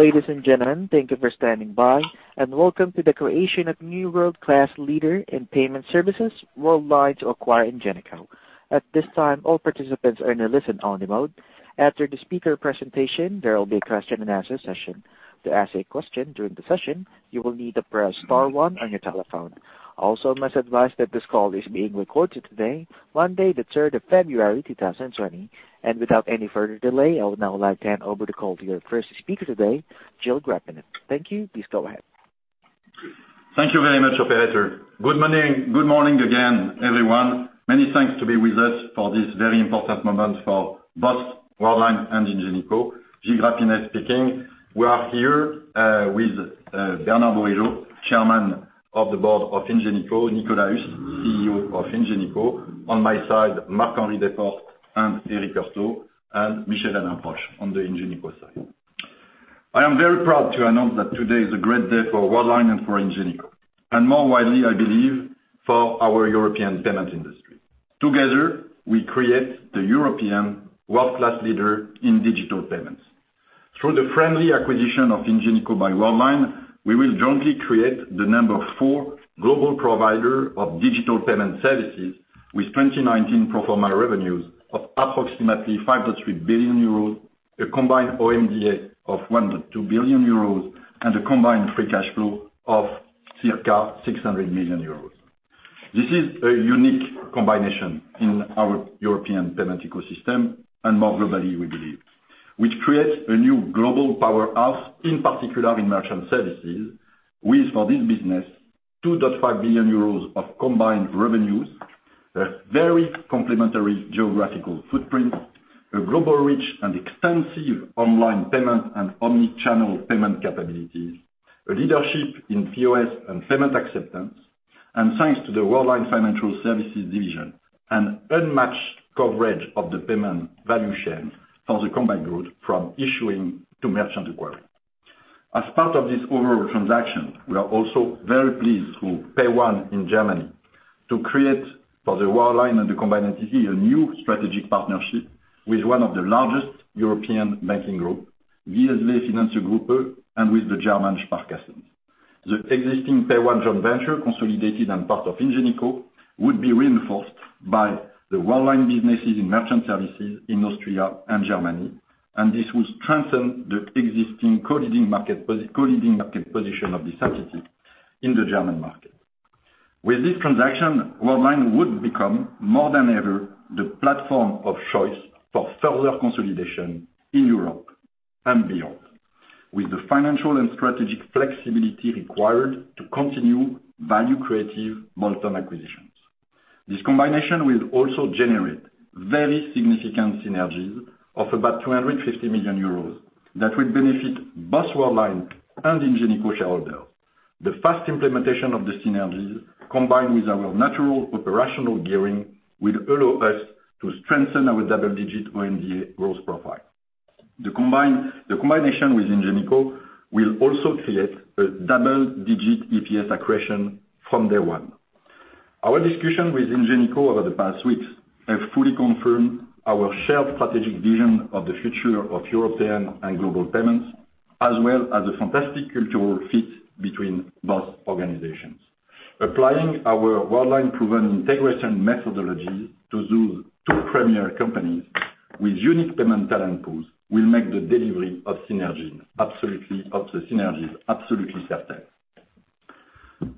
Ladies and gentlemen, thank you for standing by, and welcome to the creation of new world-class leader in payment services, Worldline to acquire Ingenico. At this time, all participants are in a listen-only mode. After the speaker presentation, there will be a question and answer session. To ask a question during the session, you will need to press star one on your telephone. Also, I must advise that this call is being recorded today, Monday, the 3rd of February, 2020. Without any further delay, I would now like to hand over the call to your first speaker today, Gilles Grapinet. Thank you. Please go ahead. Thank you very much, operator. Good morning, good morning again, everyone. Many thanks to be with us for this very important moment for both Worldline and Ingenico. Gilles Grapinet speaking. We are here with Bernard Bourigeaud, Chairman of the Board of Ingenico, Nicolas Huss, CEO of Ingenico. On my side, Marc-Henri Desportes, and Eric Heurtaux, and Michel-Alain Proch on the Ingenico side. I am very proud to announce that today is a great day for Worldline and for Ingenico, and more widely, I believe, for our European payment industry. Together, we create the European world-class leader in digital payments. Through the friendly acquisition of Ingenico by Worldline, we will jointly create the number 4 global provider of digital payment services with 2019 pro forma revenues of approximately 5.3 billion euros, a combined OMDA of 1.2 billion euros, and a combined free cash flow of circa 600 million euros. This is a unique combination in our European payment ecosystem, and more globally, we believe, which creates a new global powerhouse, in particular in merchant services, with, for this business, 2.5 billion euros of combined revenues, a very complementary geographical footprint, a global reach and extensive online payment and omnichannel payment capabilities, a leadership in POS and payment acceptance, and thanks to the Worldline Financial Services division, an unmatched coverage of the payment value chain for the combined group, from issuing to merchant acquiring. As part of this overall transaction, we are also very pleased to PAYONE in Germany, to create for the Worldline and the combined entity, a new strategic partnership with one of the largest European banking group, DSV-Gruppe, and with the German Sparkassen. The existing PAYONE joint venture, consolidated and part of Ingenico, would be reinforced by the Worldline businesses in merchant services in Austria and Germany, and this will strengthen the existing co-leading market position of this entity in the German market. With this transaction, Worldline would become, more than ever, the platform of choice for further consolidation in Europe and beyond, with the financial and strategic flexibility required to continue value-creative multi acquisitions. This combination will also generate very significant synergies of about 250 million euros that will benefit both Worldline and Ingenico shareholders. The fast implementation of the synergies, combined with our natural operational gearing, will allow us to strengthen our double-digit OMDA growth profile. The combination with Ingenico will also create a double-digit EPS accretion from day one. Our discussion with Ingenico over the past weeks have fully confirmed our shared strategic vision of the future of European and global payments, as well as a fantastic cultural fit between both organizations. Applying our Worldline proven integration methodology to those two premier companies with unique payment talent pools, will make the delivery of the synergies absolutely certain.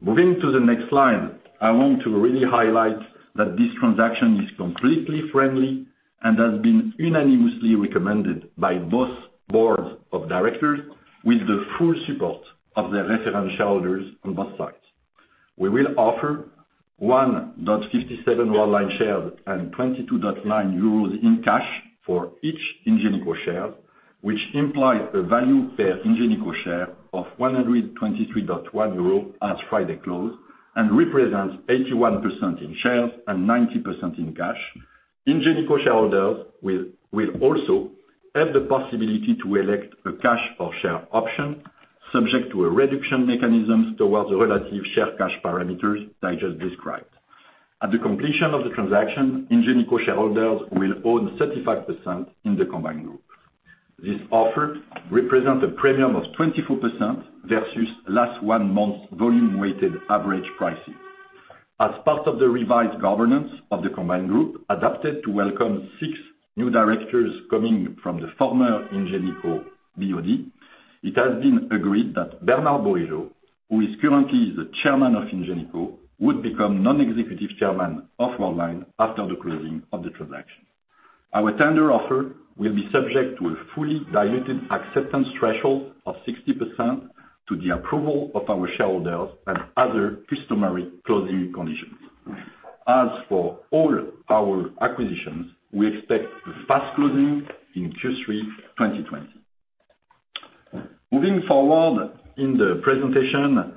Moving to the next slide, I want to really highlight that this transaction is completely friendly and has been unanimously recommended by both boards of directors, with the full support of their reference shareholders on both sides. We will offer 1.57 Worldline shares and 22.9 euros in cash for each Ingenico share, which implies a value per Ingenico share of 123.1 euro at Friday close, and represents 81% in shares and 90% in cash. Ingenico shareholders will also have the possibility to elect a cash or share option, subject to a reduction mechanisms towards the relative share cash parameters I just described. At the completion of the transaction, Ingenico shareholders will own 35% in the combined group. This offer represents a premium of 24% versus last one month's volume weighted average pricing. As part of the revised governance of the combined group, adapted to welcome six new directors coming from the former Ingenico BOD, it has been agreed that Bernard Bourigeaud, who is currently the chairman of Ingenico, would become non-executive chairman of Worldline after the closing of the transaction. Our tender offer will be subject to a fully diluted acceptance threshold of 60% to the approval of our shareholders and other customary closing conditions. As for all our acquisitions, we expect the fast closing in Q3 2020. Moving forward in the presentation,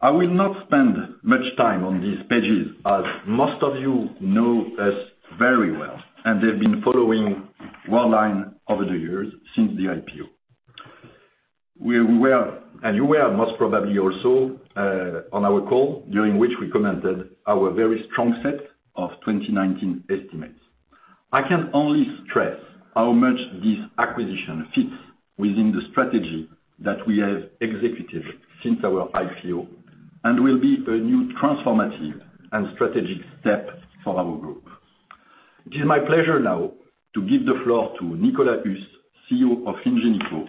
I will not spend much time on these pages, as most of you know us very well, and they've been following Worldline over the years since the IPO. We are aware, and you are most probably also, on our call, during which we commented our very strong set of 2019 estimates... I can only stress how much this acquisition fits within the strategy that we have executed since our IPO, and will be a new transformative and strategic step for our group. It is my pleasure now to give the floor to Nicolas Huss, CEO of Ingenico,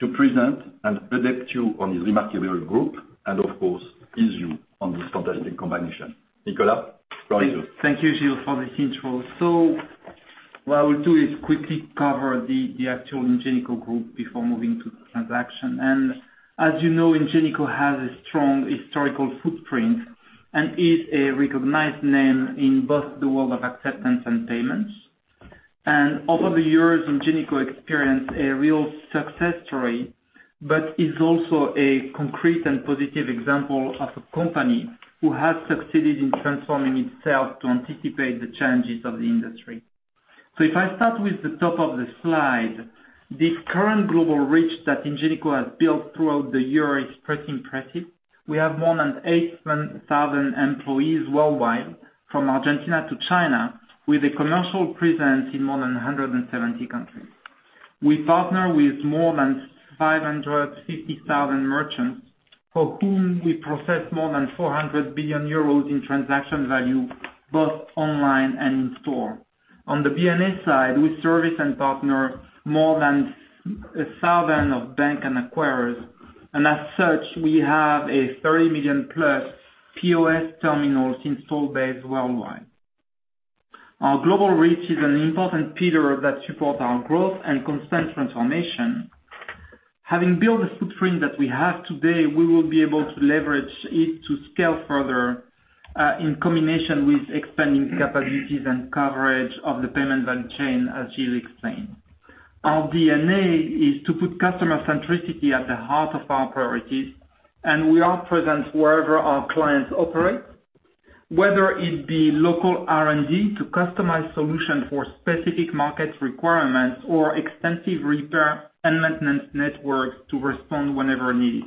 to present and update you on his remarkable group and, of course, his view on this fantastic combination. Nicolas, over to you. Thank you, Gilles, for the intro. So what I will do is quickly cover the actual Ingenico group before moving to the transaction. And as you know, Ingenico has a strong historical footprint and is a recognized name in both the world of acceptance and payments. And over the years, Ingenico experienced a real success story, but is also a concrete and positive example of a company who has succeeded in transforming itself to anticipate the changes of the industry. So if I start with the top of the slide, this current global reach that Ingenico has built throughout the year is pretty impressive. We have more than 8,000 employees worldwide, from Argentina to China, with a commercial presence in more than 170 countries. We partner with more than 550,000 merchants, for whom we process more than 400 billion euros in transaction value, both online and in store. On the B&A side, we service and partner more than 1,000 banks and acquirers, and as such, we have a 30 million-plus POS terminals installed base worldwide. Our global reach is an important pillar that supports our growth and constant transformation. Having built the footprint that we have today, we will be able to leverage it to scale further, in combination with expanding capabilities and coverage of the payment value chain, as Gilles explained. Our DNA is to put customer centricity at the heart of our priorities, and we are present wherever our clients operate, whether it be local R&D to customize solution for specific market requirements or extensive repair and maintenance networks to respond whenever needed.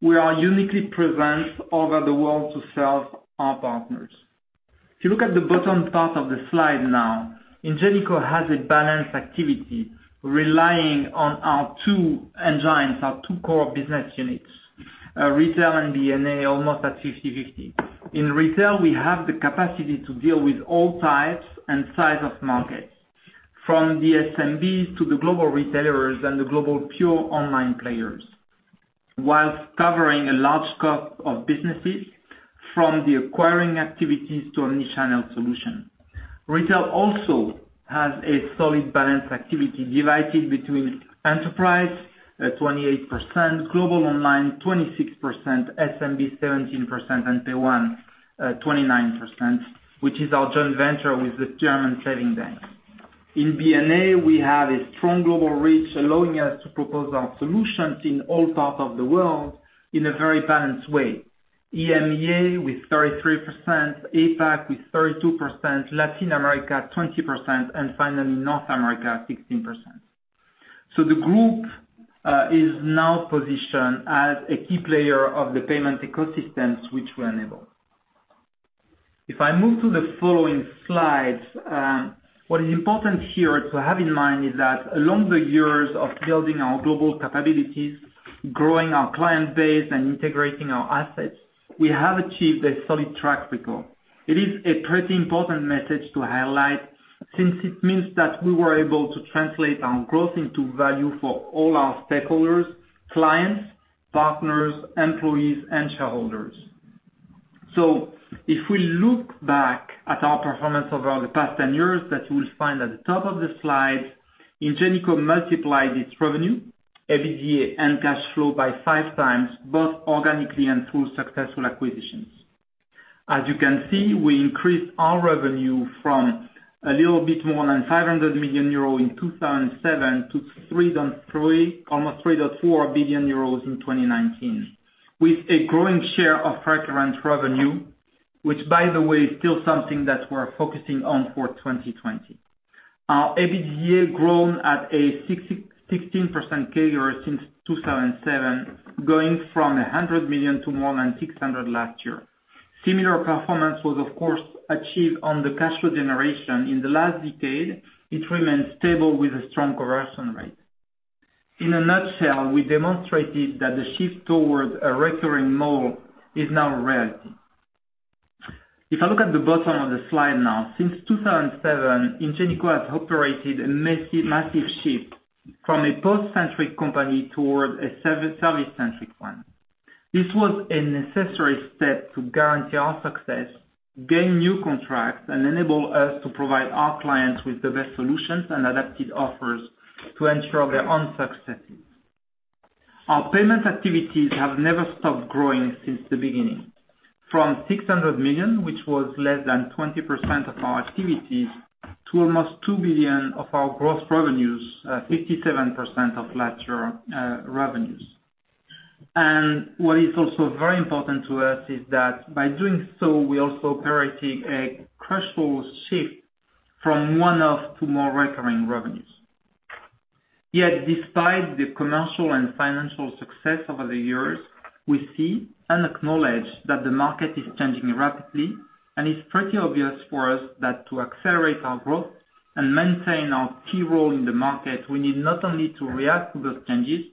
We are uniquely present all over the world to serve our partners. If you look at the bottom part of the slide now, Ingenico has a balanced activity, relying on our two engines, our two core business units, retail and B&A, almost at 50/50. In retail, we have the capacity to deal with all types and size of markets, from the SMBs to the global retailers and the global pure online players, whilst covering a large scope of businesses from the acquiring activities to an omnichannel solution. Retail also has a solid balance activity divided between enterprise, at 28%, global online, 26%, SMB, 17%, and PAYONE, 29%, which is our joint venture with the German savings bank. In B&A, we have a strong global reach, allowing us to propose our solutions in all parts of the world in a very balanced way. EMEA with 33%, APAC with 32%, Latin America, 20%, and finally, North America, 16%. So the group is now positioned as a key player of the payment ecosystems which we enable. If I move to the following slide, what is important here to have in mind is that along the years of building our global capabilities, growing our client base, and integrating our assets, we have achieved a solid track record. It is a pretty important message to highlight, since it means that we were able to translate our growth into value for all our stakeholders, clients, partners, employees, and shareholders. So if we look back at our performance over the past 10 years, that you will find at the top of the slide, Ingenico multiplied its revenue, EBITDA, and cash flow by 5 times, both organically and through successful acquisitions. As you can see, we increased our revenue from a little bit more than 500 million euros in 2007 to 3.3 billion euros, almost 3.4 billion euros in 2019, with a growing share of recurrent revenue, which, by the way, is still something that we're focusing on for 2020. Our EBITDA grown at a 16% CAGR since 2007, going from 100 million to more than 600 million last year. Similar performance was, of course, achieved on the cash flow generation. In the last decade, it remained stable with a strong conversion rate. In a nutshell, we demonstrated that the shift towards a recurring model is now a reality. If I look at the bottom of the slide now, since 2007, Ingenico has operated a massive shift from a POS-centric company toward a service-centric one. This was a necessary step to guarantee our success, gain new contracts, and enable us to provide our clients with the best solutions and adapted offers to ensure their own successes. Our payments activities have never stopped growing since the beginning. From 600 million, which was less than 20% of our activities, to almost 2 billion of our gross revenues, 57% of last year revenues. And what is also very important to us is that by doing so, we also created a crucial shift from one-off to more recurring revenues.... Yet, despite the commercial and financial success over the years, we see and acknowledge that the market is changing rapidly, and it's pretty obvious for us that to accelerate our growth and maintain our key role in the market, we need not only to react to those changes,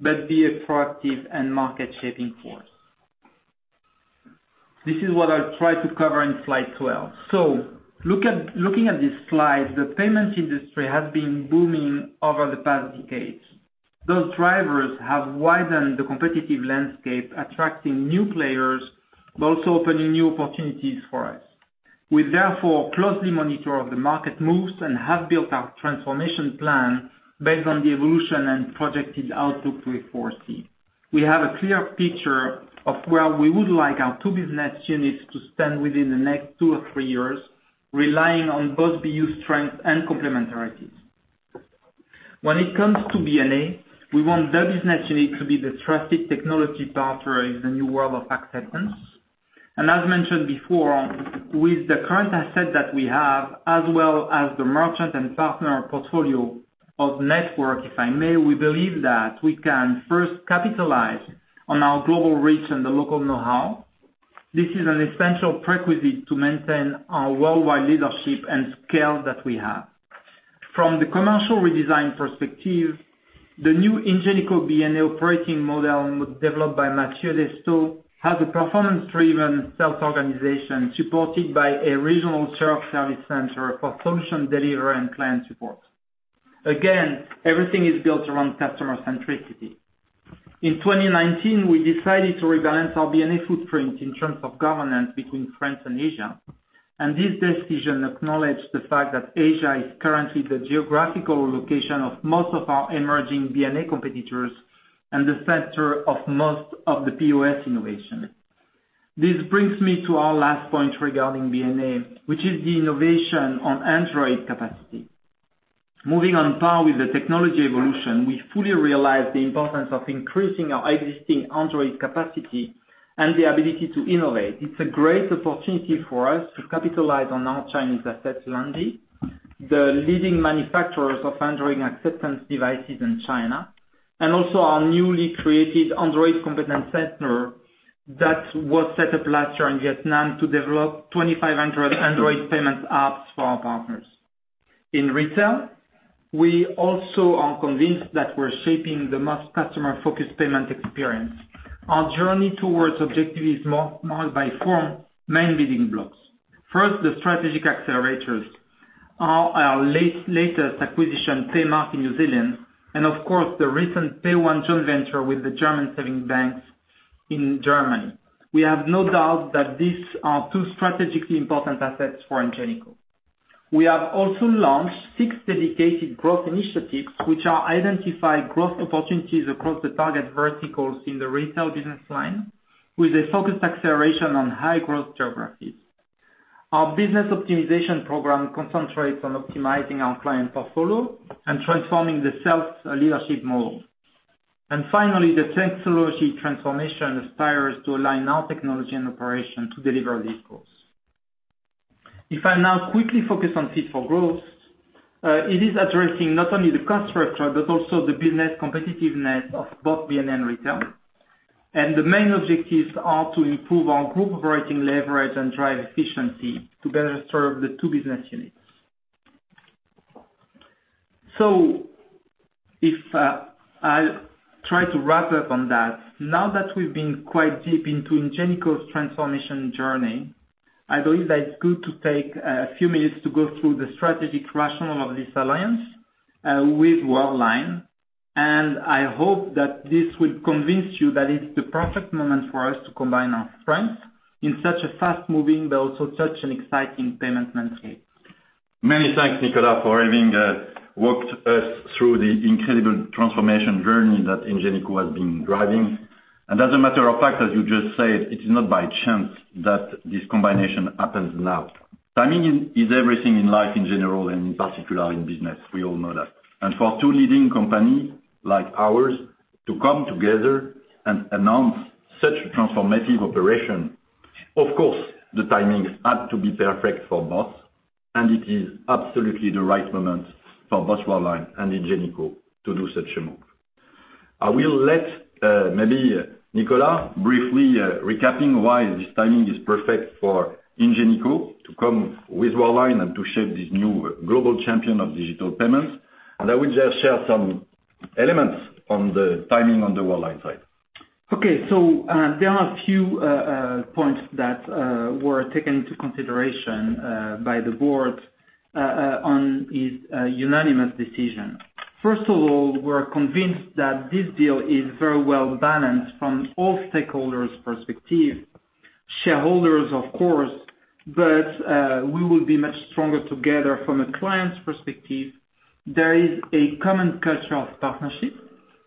but be a proactive and market-shaping force. This is what I'll try to cover in slide 12. So, looking at this slide, the payments industry has been booming over the past decades. Those drivers have widened the competitive landscape, attracting new players, but also opening new opportunities for us. We therefore closely monitor the market moves and have built our transformation plan based on the evolution and projected outlook we foresee. We have a clear picture of where we would like our two business units to stand within the next two or three years, relying on both BU strength and complementarities. When it comes to B&A, we want that business unit to be the trusted technology partner in the new world of acceptance. And as mentioned before, with the current asset that we have, as well as the merchant and partner portfolio of network, if I may, we believe that we can first capitalize on our global reach and the local know-how. This is an essential prerequisite to maintain our worldwide leadership and scale that we have. From the commercial redesign perspective, the new Ingenico B&A operating model, developed by Mathieu Destot, has a performance-driven sales organization, supported by a regional shared service center for solution delivery and client support. Again, everything is built around customer centricity. In 2019, we decided to rebalance our B&A footprint in terms of governance between France and Asia, and this decision acknowledged the fact that Asia is currently the geographical location of most of our emerging B&A competitors and the center of most of the POS innovation. This brings me to our last point regarding B&A, which is the innovation on Android capacity. Moving on par with the technology evolution, we fully realize the importance of increasing our existing Android capacity and the ability to innovate. It's a great opportunity for us to capitalize on our Chinese asset, Landi, the leading manufacturer of Android acceptance devices in China, and also our newly created Android competence center that was set up last year in Vietnam to develop 2,500 Android payment apps for our partners. In retail, we also are convinced that we're shaping the most customer-focused payment experience. Our journey towards objective is marked by four main building blocks. First, the strategic accelerators are our latest acquisition, Paymark, in New Zealand, and of course, the recent PAYONE joint venture with the German savings banks in Germany. We have no doubt that these are two strategically important assets for Ingenico. We have also launched six dedicated growth initiatives, which are identified growth opportunities across the target verticals in the retail business line, with a focused acceleration on high growth geographies. Our business optimization program concentrates on optimizing our client portfolio and transforming the sales leadership model. And finally, the technology transformation aspires to align our technology and operation to deliver these goals. If I now quickly focus on Fit for Growth, it is addressing not only the cost structure, but also the business competitiveness of both B&A and Retail. The main objectives are to improve our group operating leverage and drive efficiency to better serve the two business units. So if, I'll try to wrap up on that. Now that we've been quite deep into Ingenico's transformation journey, I believe that it's good to take a few minutes to go through the strategic rationale of this alliance, with Worldline, and I hope that this will convince you that it's the perfect moment for us to combine our strengths in such a fast-moving but also such an exciting payment landscape. Many thanks, Nicolas, for having walked us through the incredible transformation journey that Ingenico has been driving. And as a matter of fact, as you just said, it is not by chance that this combination happens now. Timing is everything in life in general and in particular in business, we all know that. And for two leading companies like ours to come together and announce such a transformative operation, of course, the timings had to be perfect for both, and it is absolutely the right moment for both Worldline and Ingenico to do such a move. I will let maybe Nicolas briefly recapping why this timing is perfect for Ingenico to come with Worldline and to shape this new global champion of digital payments. And I will just share some elements on the timing on the Worldline side. Okay. So, there are a few points that were taken into consideration by the board on this unanimous decision. First of all, we're convinced that this deal is very well balanced from all stakeholders' perspective, shareholders of course, but we will be much stronger together from a client's perspective. There is a common culture of partnership,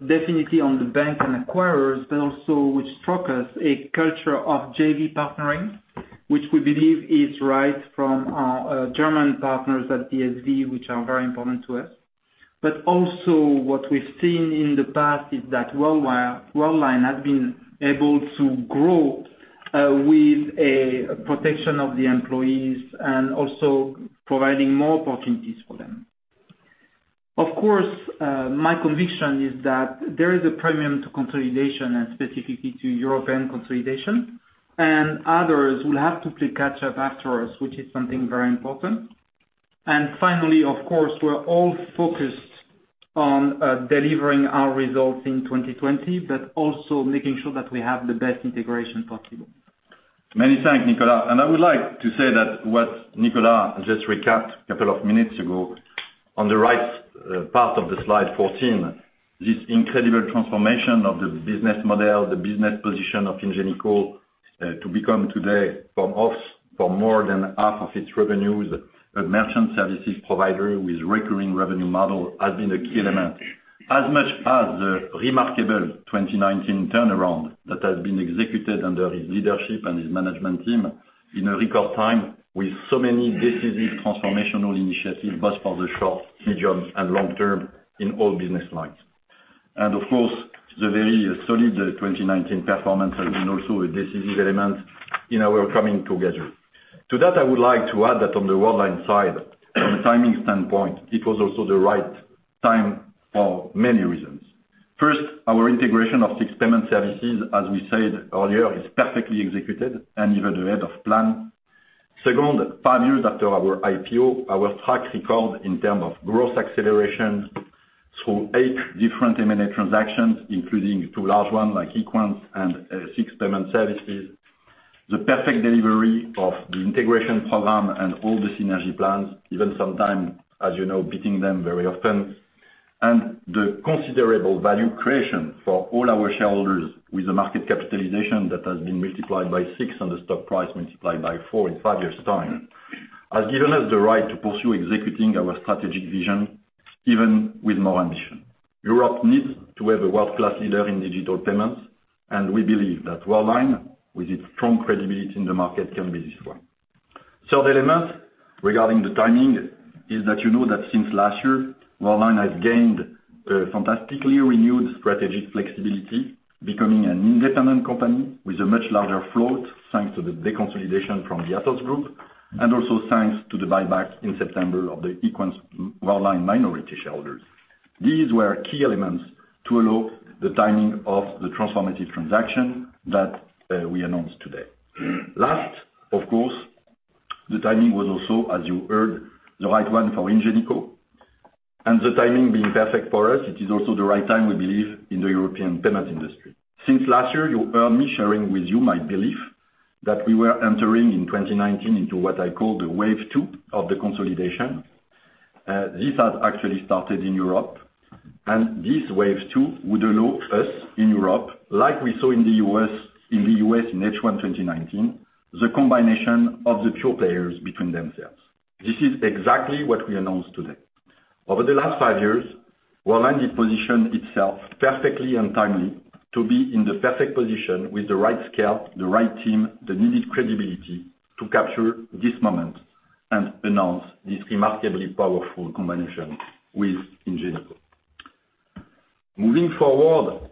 definitely on the bank and acquirers, but also what struck us, a culture of JV partnering, which we believe is right from our German partners at DSV, which are very important to us. But also, what we've seen in the past is that Worldline has been able to grow with a protection of the employees and also providing more opportunities for them. Of course, my conviction is that there is a premium to consolidation, and specifically to European consolidation, and others will have to play catch up after us, which is something very important. And finally, of course, we're all focused on delivering our results in 2020, but also making sure that we have the best integration possible. Many thanks, Nicolas. And I would like to say that what Nicolas just recapped a couple of minutes ago, on the right, part of the slide 14, this incredible transformation of the business model, the business position of Ingenico, to become today for more than half of its revenues, a merchant services provider with recurring revenue model, has been a key element. As much as the remarkable 2019 turnaround that has been executed under his leadership and his management team in a record time, with so many decisive transformational initiatives, both for the short, medium, and long term in all business lines. And of course, the very solid 2019 performance has been also a decisive element in our coming together. To that, I would like to add that on the Worldline side, from a timing standpoint, it was also the right time for many reasons. First, our integration of SIX Payment Services, as we said earlier, is perfectly executed and even ahead of plan. Second, five years after our IPO, our track record in terms of growth acceleration through eight different M&A transactions, including two large ones, like Equens and, SIX Payment Services, the perfect delivery of the integration program and all the synergy plans, even sometime, as you know, beating them very often. And the considerable value creation for all our shareholders, with a market capitalization that has been multiplied by six and the stock price multiplied by four in five years' time, has given us the right to pursue executing our strategic vision, even with more ambition. Europe needs to have a world-class leader in digital payments, and we believe that Worldline, with its strong credibility in the market, can be this way. Third element regarding the timing, is that you know that since last year, Worldline has gained, fantastically renewed strategic flexibility, becoming an independent company with a much larger float, thanks to the deconsolidation from the Atos group, and also thanks to the buyback in September of the EquensWorldline minority shareholders. These were key elements to allow the timing of the transformative transaction that we announced today. Last, of course, the timing was also, as you heard, the right one for Ingenico, and the timing being perfect for us, it is also the right time, we believe, in the European payment industry. Since last year, you heard me sharing with you my belief that we were entering in 2019 into what I call the wave two of the consolidation. This has actually started in Europe, and this wave two would allow us in Europe, like we saw in the US, in the US in H1 2019, the combination of the pure players between themselves. This is exactly what we announced today. Over the last 5 years, Worldline has positioned itself perfectly and timely to be in the perfect position with the right scale, the right team, the needed credibility to capture this moment and announce this remarkably powerful combination with Ingenico. Moving forward,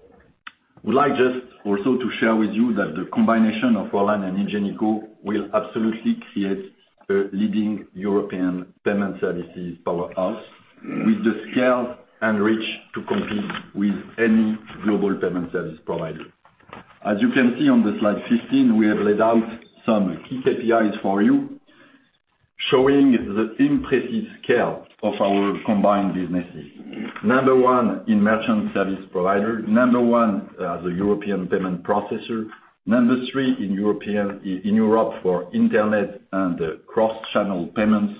I would like just also to share with you that the combination of Worldline and Ingenico will absolutely create a leading European payment services powerhouse, with the scale and reach to compete with any global payment service provider. As you can see on the slide 15, we have laid out some key KPIs for you, showing the impressive scale of our combined businesses. Number one in merchant service provider, number one as a European payment processor, number three in Europe for internet and cross-channel payments,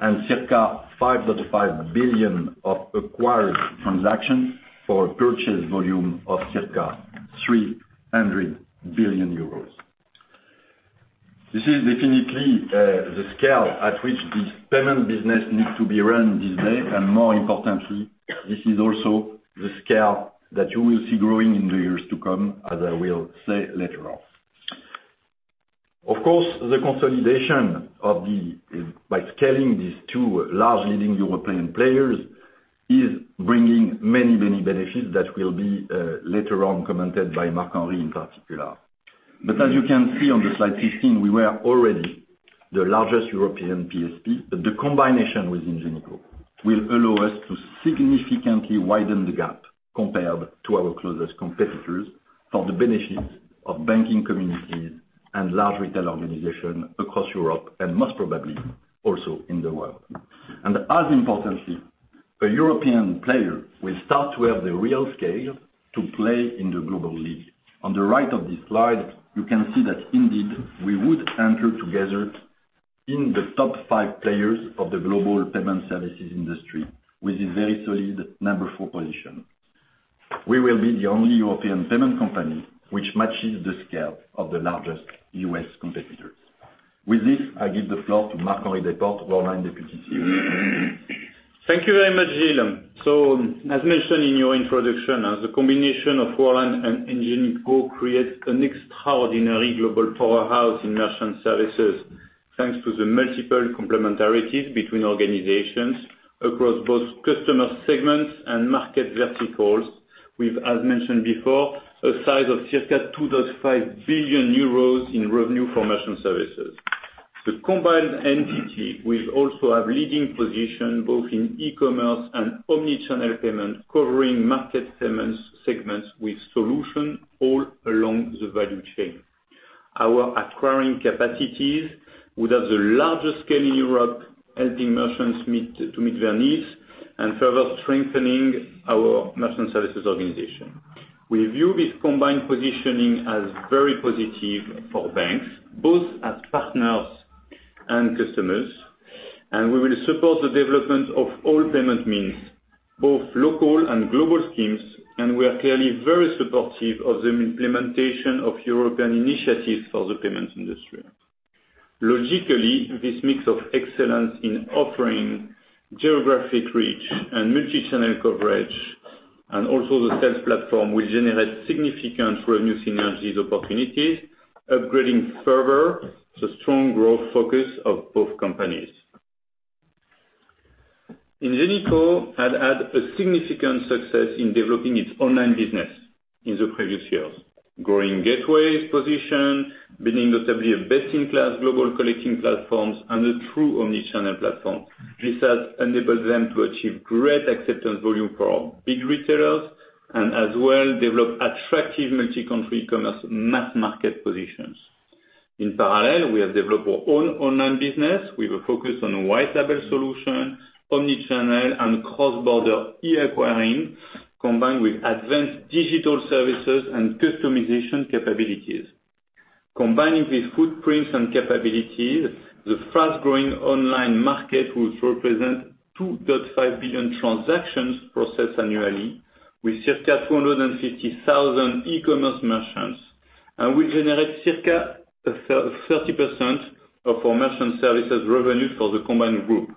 and circa 5.5 billion of acquired transactions for a purchase volume of circa 300 billion euros. This is definitely the scale at which this payment business needs to be run this day, and more importantly, this is also the scale that you will see growing in the years to come, as I will say later on. Of course, the consolidation of the... by scaling these two large leading European players, is bringing many, many benefits that will be later on commented by Marc-Henri in particular. But as you can see on the slide 15, we were already the largest European PSP, but the combination with Ingenico will allow us to significantly widen the gap compared to our closest competitors, for the benefit of banking communities and large retail organizations across Europe, and most probably also in the world. And as importantly, a European player will start to have the real scale to play in the global league. On the right of this slide, you can see that indeed, we would enter together in the top 5 players of the global payment services industry, with a very solid number 4 position. We will be the only European payment company which matches the scale of the largest U.S. competitors. With this, I give the floor to Marc-Henri Desportes, Worldline Deputy CEO. Thank you very much, Gilles. So as mentioned in your introduction, as a combination of Worldline and Ingenico creates an extraordinary global powerhouse in merchant services.... thanks to the multiple complementarities between organizations across both customer segments and market verticals, with, as mentioned before, a size of circa 2.5 billion euros in revenue for merchant services. The combined entity will also have leading position both in e-commerce and omnichannel payment, covering market payments segments with solution all along the value chain. Our acquiring capacities would have the largest scale in Europe, helping merchants to meet their needs and further strengthening our merchant services organization. We view this combined positioning as very positive for banks, both as partners and customers, and we will support the development of all payment means, both local and global schemes, and we are clearly very supportive of the implementation of European initiatives for the payments industry. Logically, this mix of excellence in offering geographic reach and multi-channel coverage, and also the sales platform, will generate significant revenue synergies opportunities, upgrading further the strong growth focus of both companies. Ingenico had had a significant success in developing its online business in the previous years, growing gateway position, building notably a best-in-class global collecting platforms, and a true omnichannel platform. This has enabled them to achieve great acceptance volume for our big retailers, and as well, develop attractive multi-country commerce mass market positions. In parallel, we have developed our own online business with a focus on white label solution, omnichannel, and cross-border e-acquiring, combined with advanced digital services and customization capabilities. Combining these footprints and capabilities, the fast-growing online market will represent 2.5 billion transactions processed annually with circa 450,000 e-commerce merchants, and will generate circa 30% of our merchant services revenue for the combined group.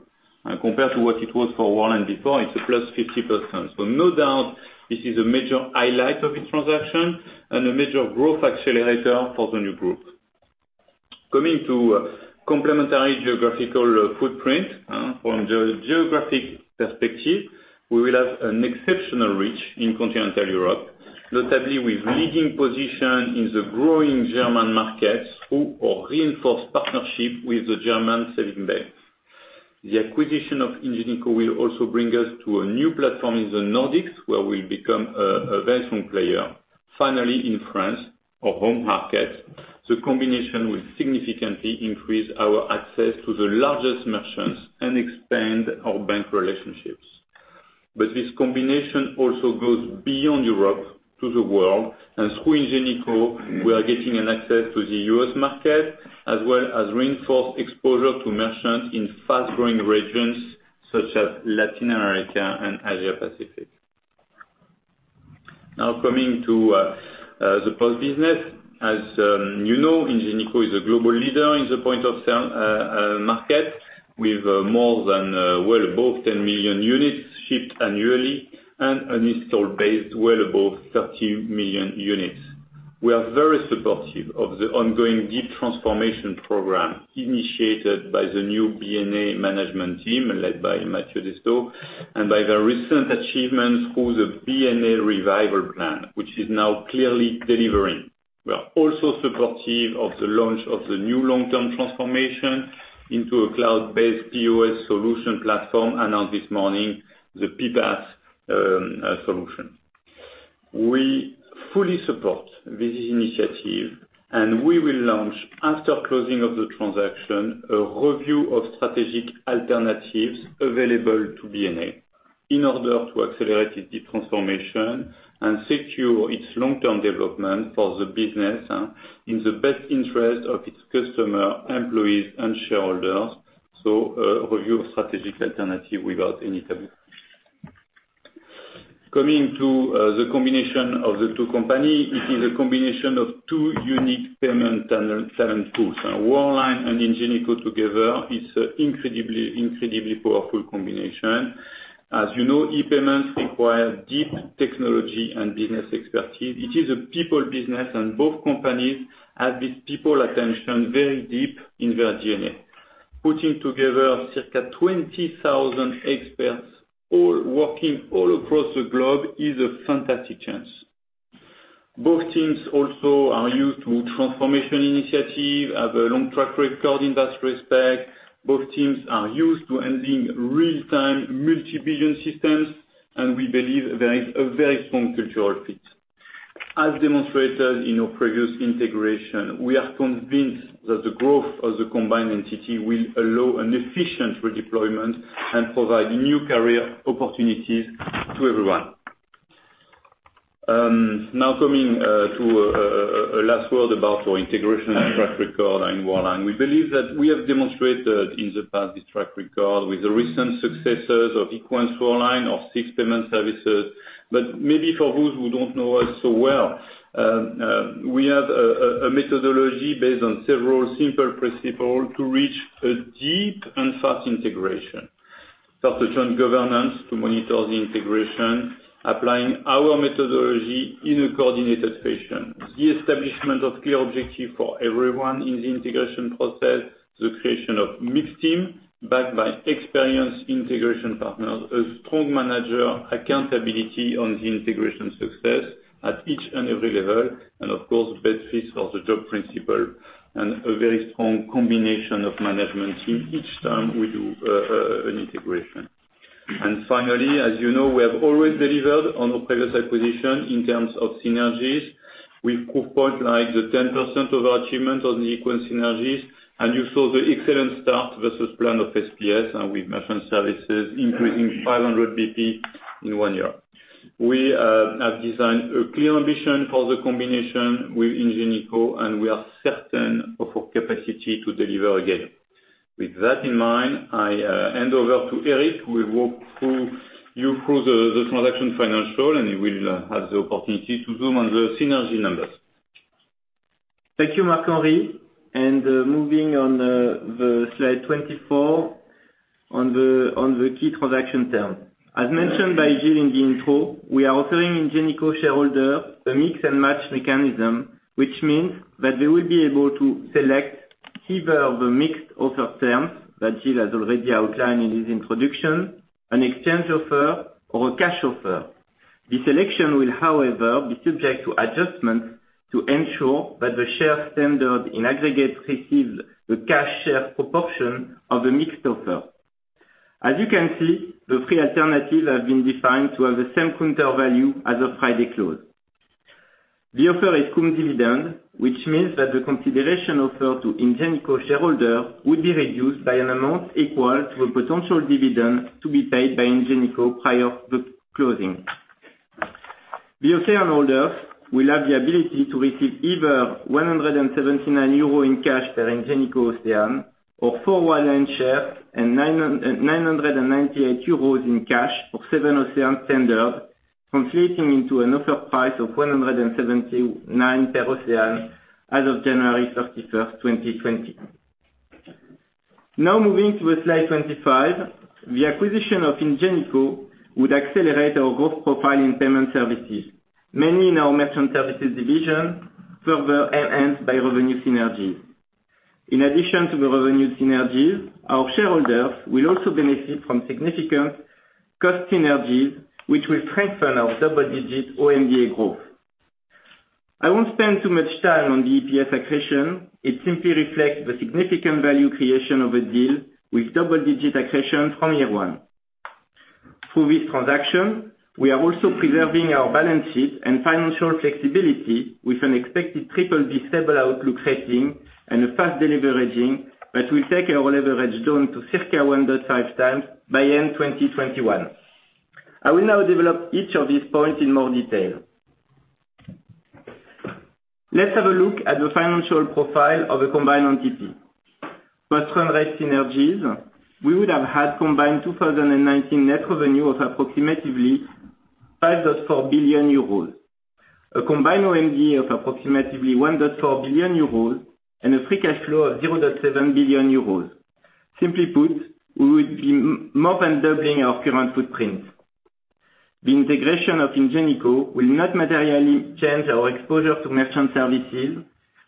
Compared to what it was for Worldline before, it's +50%. No doubt this is a major highlight of this transaction and a major growth accelerator for the new group. Coming to, complementary geographical, footprint, from the geographic perspective, we will have an exceptional reach in continental Europe, notably with leading position in the growing German market, through our reinforced partnership with the German savings banks. The acquisition of Ingenico will also bring us to a new platform in the Nordics, where we'll become a very strong player. Finally, in France, our home market, the combination will significantly increase our access to the largest merchants and expand our bank relationships. But this combination also goes beyond Europe to the world, and through Ingenico, we are getting an access to the U.S. market, as well as reinforced exposure to merchants in fast-growing regions such as Latin America and Asia Pacific. Now, coming to the POS business. As you know, Ingenico is a global leader in the point of sale market, with more than well above 10 million units shipped annually and an install base well above 30 million units. We are very supportive of the ongoing deep transformation program initiated by the new B&A management team, led by Mathieu Destot, and by their recent achievements through the B&A Revival Plan, which is now clearly delivering. We are also supportive of the launch of the new long-term transformation into a cloud-based POS solution platform announced this morning, the PPaaS solution. We fully support this initiative, and we will launch, after closing of the transaction, a review of strategic alternatives available to B&A in order to accelerate its deep transformation and secure its long-term development for the business in the best interest of its customer, employees, and shareholders. So, a review of strategic alternative without any taboo. Coming to the combination of the two company, it is a combination of two unique payment channel, talent pools, and Worldline and Ingenico together is a incredibly, incredibly powerful combination. As you know, e-payments require deep technology and business expertise. It is a people business, and both companies have this people attention very deep in their DNA. Putting together circa 20,000 experts, all working all across the globe, is a fantastic chance. Both teams also are used to transformation initiative, have a long track record in that respect. Both teams are used to handling real-time, multi-billion systems, and we believe there is a very strong cultural fit. As demonstrated in our previous integration, we are convinced that the growth of the combined entity will allow an efficient redeployment and provide new career opportunities to everyone. Now coming to a last word about our integration and track record in Worldline. We believe that we have demonstrated in the past this track record with the recent successes of EquensWorldline, of SIX Payment Services. But maybe for those who don't know us so well, we have a methodology based on several simple principle to reach a deep and fast integration. purpose on governance to monitor the integration, applying our methodology in a coordinated fashion. The establishment of clear objective for everyone in the integration process, the creation of mixed team backed by experienced integration partners, a strong manager, accountability on the integration success at each and every level, and of course, benefits of the job principle, and a very strong combination of management team each time we do an integration. Finally, as you know, we have always delivered on our previous acquisition in terms of synergies with proof points like the 10% of our achievement on the Equens synergies, and you saw the excellent start versus plan of SPS and with merchant services increasing 500 basis points in one year. We have designed a clear ambition for the combination with Ingenico, and we are certain of our capacity to deliver again. With that in mind, I hand over to Eric Heurtaux, who will walk you through the transaction financial, and he will have the opportunity to zoom on the synergy numbers Thank you, Marc-Henri, and, moving on, the slide 24, on the key transaction terms. As mentioned by Gilles in the intro, we are offering Ingenico shareholder a mix and match mechanism, which means that they will be able to select either the mixed offer terms that Gilles has already outlined in his introduction, an exchange offer or a cash offer. The selection will, however, be subject to adjustments to ensure that the shares tendered in aggregate receives the cash share proportion of the mixed offer. As you can see, the three alternatives have been defined to have the same counter value as of Friday close. The offer is cum dividend, which means that the consideration offered to Ingenico shareholder would be reduced by an amount equal to a potential dividend to be paid by Ingenico prior to closing. The OCEANE holders will have the ability to receive either 179 euro in cash per Ingenico OCEANE or 4 Worldline shares and 998 euros in cash for 7 OCEANE tendered, equivalent to an offer price of 179 per OCEANE as of January 31, 2020. Now moving to slide 25, the acquisition of Ingenico would accelerate our growth profile in payment services, mainly in our merchant services division, further enhanced by revenue synergies. In addition to the revenue synergies, our shareholders will also benefit from significant cost synergies, which will strengthen our double-digit OMDA growth. I won't spend too much time on the EPS accretion. It simply reflects the significant value creation of a deal with double-digit accretion from year one. Through this transaction, we are also preserving our balance sheet and financial flexibility with an expected triple B stable outlook rating and a fast deleveraging that will take our leverage down to circa 1.5 times by end 2021. I will now develop each of these points in more detail. Let's have a look at the financial profile of a combined entity. Post-run rate synergies, we would have had combined 2019 net revenue of approximately 5.4 billion euros, a combined OMDA of approximately 1.4 billion euros, and a free cash flow of 0.7 billion euros. Simply put, we would be more than doubling our current footprint. The integration of Ingenico will not materially change our exposure to merchant services,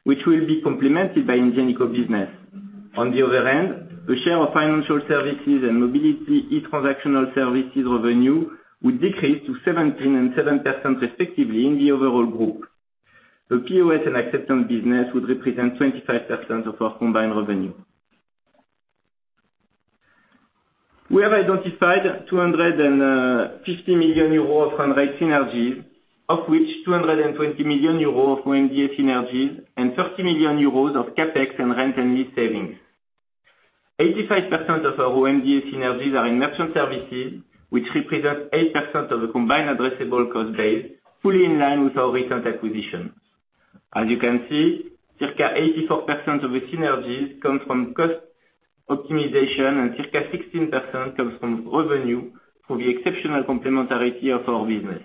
which will be complemented by Ingenico business. On the other hand, the share of financial services and Mobility e-Transactional Services revenue would decrease to 17% and 7% respectively in the overall group. The POS and acceptance business would represent 25% of our combined revenue. We have identified 250 million euros of run rate synergies, of which 220 million euros of OMDA synergies and 30 million euros of CapEx and rent and lease savings. 85% of our OMDA synergies are in merchant services, which represent 8% of the combined addressable cost base, fully in line with our recent acquisition. As you can see, circa 84% of the synergies come from cost optimization, and circa 16% comes from revenue for the exceptional complementarity of our business.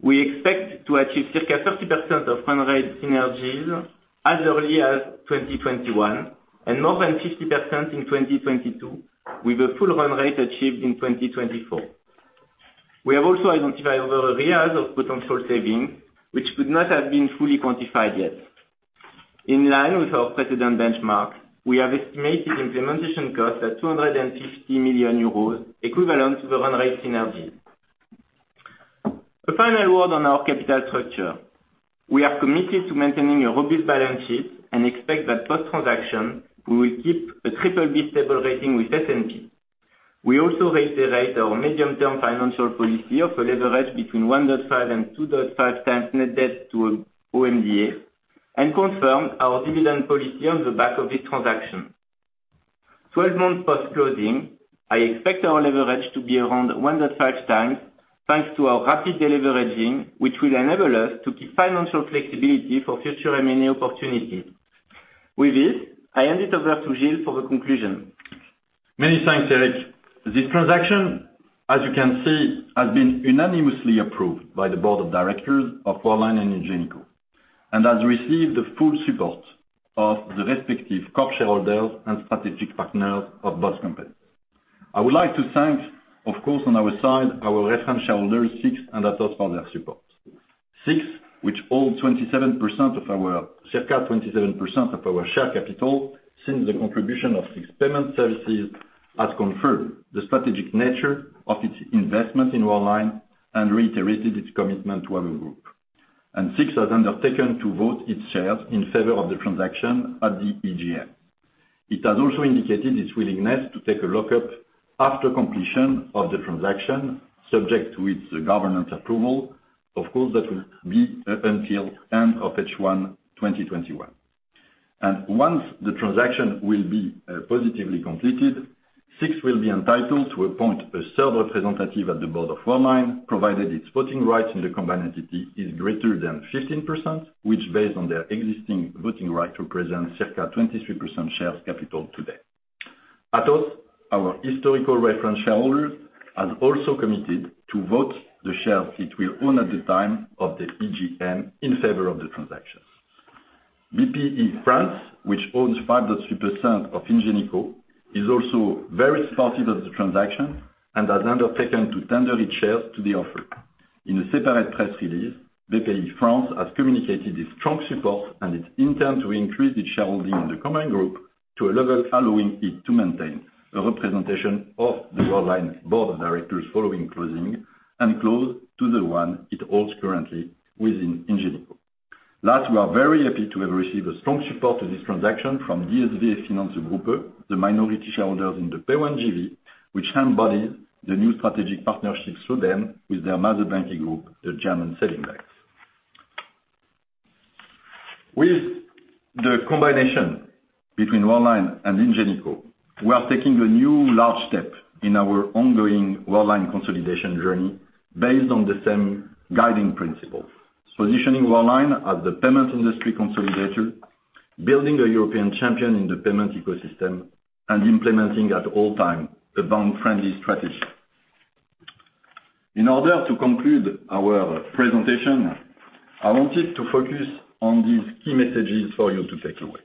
We expect to achieve circa 30% of run rate synergies as early as 2021, and more than 50% in 2022, with a full run rate achieved in 2024. We have also identified other areas of potential savings, which could not have been fully quantified yet. In line with our precedent benchmark, we have estimated implementation costs at 250 million euros, equivalent to the run rate synergies. A final word on our capital structure. We are committed to maintaining a robust balance sheet and expect that post-transaction, we will keep a BBB stable rating with S&P. We also reiterate our medium-term financial policy of a leverage between 1.5 and 2.5 times net debt to OMDA, and confirm our dividend policy on the back of this transaction. 12 months post-closing, I expect our leverage to be around 1.5 times, thanks to our rapid deleveraging, which will enable us to keep financial flexibility for future M&A opportunities. With this, I hand it over to Gilles for the conclusion. Many thanks, Eric. This transaction, as you can see, has been unanimously approved by the board of directors of Worldline and Ingenico.... and has received the full support of the respective core shareholders and strategic partners of both companies. I would like to thank, of course, on our side, our reference shareholder, SIX, and Atos for their support. SIX, which holds 27% of our, circa 27% of our share capital, since the contribution of SIX Payment Services, has confirmed the strategic nature of its investment in Worldline and reiterated its commitment to our group. And SIX has undertaken to vote its shares in favor of the transaction at the EGM. It has also indicated its willingness to take a lock-up after completion of the transaction, subject to its governance approval. Of course, that will be until end of H1 2021. Once the transaction will be positively completed, SIX will be entitled to appoint a third representative at the board of Worldline, provided its voting rights in the combined entity is greater than 15%, which based on their existing voting right, represent circa 23% shares capital today. Atos, our historical reference shareholder, has also committed to vote the shares it will own at the time of the EGM in favor of the transaction. Bpifrance, which owns 5.3% of Ingenico, is also very supportive of the transaction and has undertaken to tender its shares to the offer. In a separate press release, Bpifrance has communicated its strong support, and it intends to increase its shareholding in the combined group to a level allowing it to maintain a representation of the Worldline board of directors following closing, and close to the one it holds currently within Ingenico. Last, we are very happy to have received a strong support to this transaction from DSV-Gruppe, the minority shareholders in the PAYONE JV, which embodies the new strategic partnership through them with their mother banking group, the German Savings Banks. With the combination between Worldline and Ingenico, we are taking a new large step in our ongoing Worldline consolidation journey based on the same guiding principles: positioning Worldline as the payment industry consolidator, building a European champion in the payment ecosystem, and implementing at all time a bank-friendly strategy. In order to conclude our presentation, I wanted to focus on these key messages for you to take away.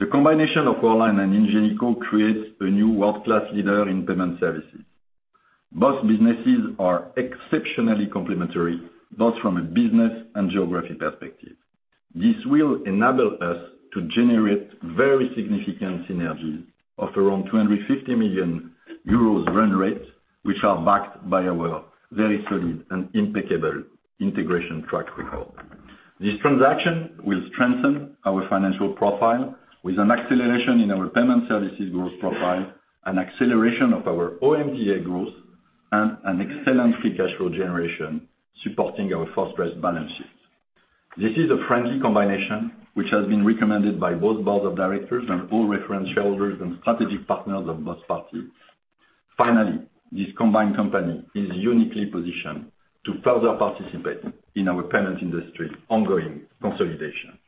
The combination of Worldline and Ingenico creates a new world-class leader in payment services. Both businesses are exceptionally complementary, both from a business and geography perspective. This will enable us to generate very significant synergies of around 250 million euros run rate, which are backed by our very solid and impeccable integration track record. This transaction will strengthen our financial profile with an acceleration in our payment services growth profile, an acceleration of our OMDA growth, and an excellent free cash flow generation, supporting our first-rate balance sheet. This is a friendly combination, which has been recommended by both boards of directors and all reference shareholders and strategic partners of both parties. Finally, this combined company is uniquely positioned to further participate in our payment industry's ongoing consolidation.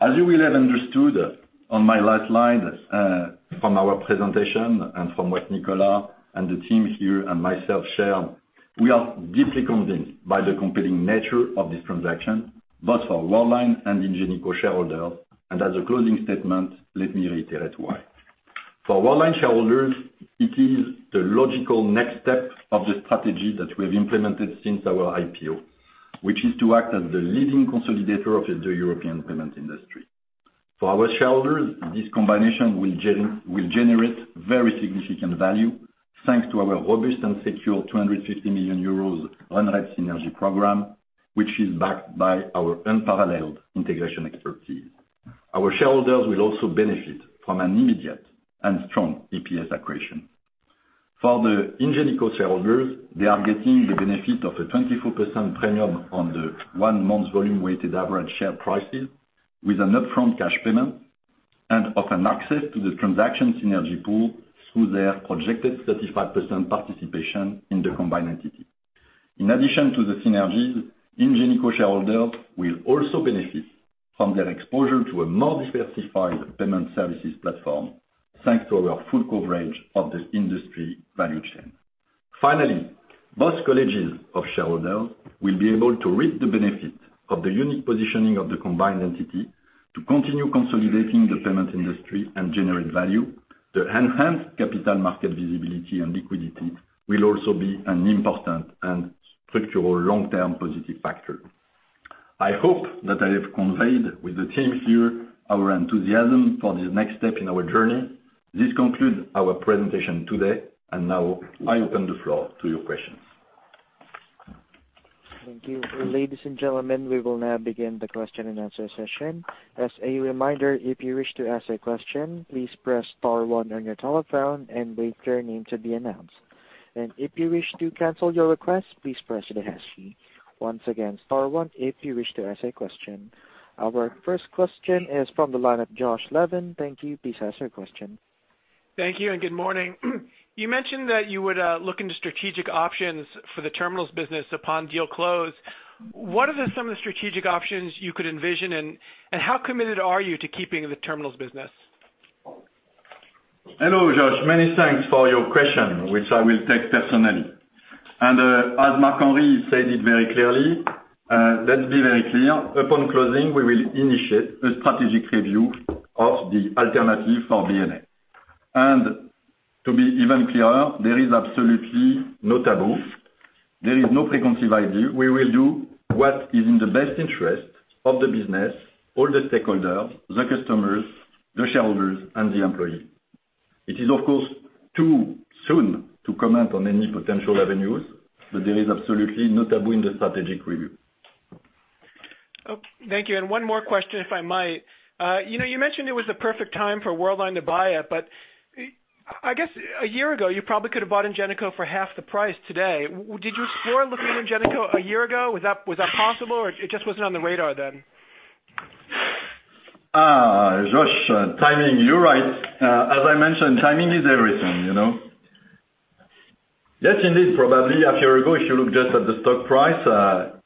As you will have understood, on my last slide, from our presentation and from what Nicolas and the team here and myself shared, we are deeply convinced by the compelling nature of this transaction, both for Worldline and Ingenico shareholders. As a closing statement, let me reiterate why. For Worldline shareholders, it is the logical next step of the strategy that we've implemented since our IPO, which is to act as the leading consolidator of the European payment industry. For our shareholders, this combination will generate very significant value, thanks to our robust and secure 250 million euros run rate synergy program, which is backed by our unparalleled integration expertise. Our shareholders will also benefit from an immediate and strong EPS accretion. For the Ingenico shareholders, they are getting the benefit of a 24% premium on the one month volume weighted average share prices, with an upfront cash payment and often access to the transaction synergy pool through their projected 35% participation in the combined entity. In addition to the synergies, Ingenico shareholders will also benefit from their exposure to a more diversified payment services platform, thanks to our full coverage of the industry value chain. Finally, both colleges of shareholders will be able to reap the benefit of the unique positioning of the combined entity to continue consolidating the payment industry and generate value. The enhanced capital market visibility and liquidity will also be an important and structural long-term positive factor. I hope that I have conveyed with the team here our enthusiasm for this next step in our journey. This concludes our presentation today, and now I open the floor to your questions. Thank you. Ladies and gentlemen, we will now begin the question and answer session. As a reminder, if you wish to ask a question, please press star one on your telephone and wait for your name to be announced. And if you wish to cancel your request, please press the hash key. Once again, star one if you wish to ask a question. Our first question is from the line of Josh Levin. Thank you. Please ask your question. Thank you and good morning. You mentioned that you would look into strategic options for the terminals business upon deal close. What are some of the strategic options you could envision, and how committed are you to keeping the terminals business? Hello, Josh, many thanks for your question, which I will take personally. And, as Marc-Henri said it very clearly, let's be very clear, upon closing, we will initiate a strategic review of the alternatives for B&A. And to be even clearer, there is absolutely no taboo. There is no preconceived idea. We will do what is in the best interest of the business, all the stakeholders, the customers, the shareholders, and the employee. It is, of course, too soon to comment on any potential avenues, but there is absolutely no taboo in the strategic review. Oh, thank you, and one more question, if I might. You know, you mentioned it was the perfect time for Worldline to buy it, but I guess a year ago, you probably could have bought Ingenico for half the price today. Did you explore looking at Ingenico a year ago? Was that, was that possible, or it just wasn't on the radar then? Ah, Josh, timing, you're right. As I mentioned, timing is everything, you know? Yes, indeed, probably a year ago, if you look just at the stock price,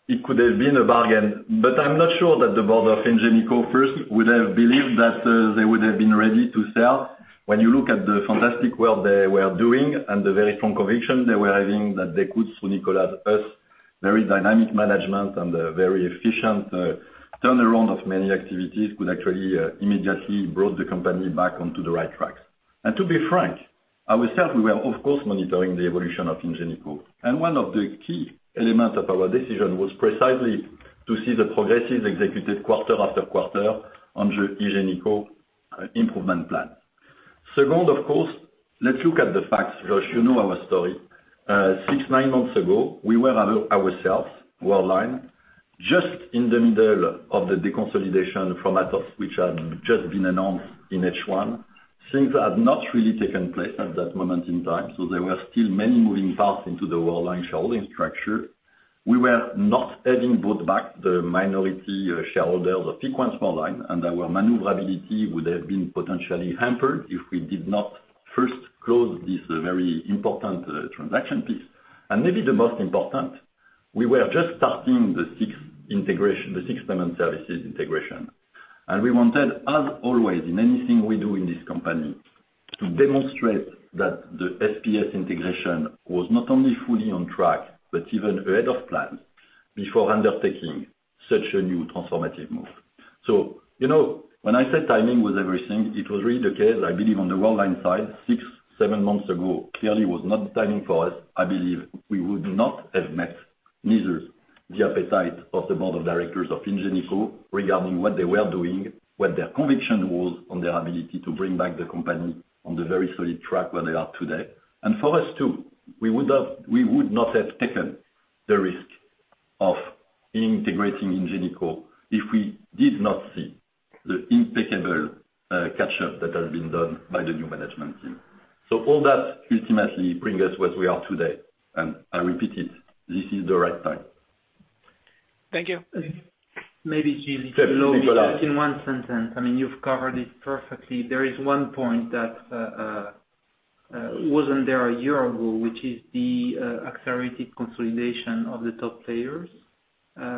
it could have been a bargain. But I'm not sure that the board of Ingenico first would have believed that, they would have been ready to sell. When you look at the fantastic work they were doing and the very strong conviction they were having, that they could, so Nicolas, us, very dynamic management and a very efficient, turnaround of many activities could actually, immediately brought the company back onto the right track. And to be frank, ourselves, we were of course, monitoring the evolution of Ingenico. And one of the key elements of our decision was precisely to see the progresses executed quarter after quarter on the Ingenico improvement plan. Second, of course, let's look at the facts, Josh. You know our story. 6-9 months ago, we were, ourselves, Worldline, just in the middle of the deconsolidation from Atos, which had just been announced in H1. Things had not really taken place at that moment in time, so there were still many moving parts in the Worldline shareholding structure. We were not having brought back the minority shareholders of Worldline, and our maneuverability would have been potentially hampered if we did not first close this very important transaction piece. Maybe the most important, we were just starting the SIX integration, the SIX payment services integration. We wanted, as always, in anything we do in this company, to demonstrate that the SPS integration was not only fully on track, but even ahead of plan, before undertaking such a new transformative move. So, you know, when I say timing was everything, it was really the case. I believe on the Worldline side, 6, 7 months ago, clearly was not the timing for us. I believe we would not have met neither the appetite of the board of directors of Ingenico, regarding what they were doing, what their conviction was on their ability to bring back the company on the very solid track where they are today. And for us, too, we would have- we would not have taken the risk of integrating Ingenico if we did not see the impeccable catch-up that has been done by the new management team. So all that ultimately bring us where we are today, and I repeat it, this is the right time. Thank you. Maybe, Gilles, if you know- Yeah, Nicolas. In one sentence, I mean, you've covered it perfectly. There is one point that wasn't there a year ago, which is the accelerated consolidation of the top players,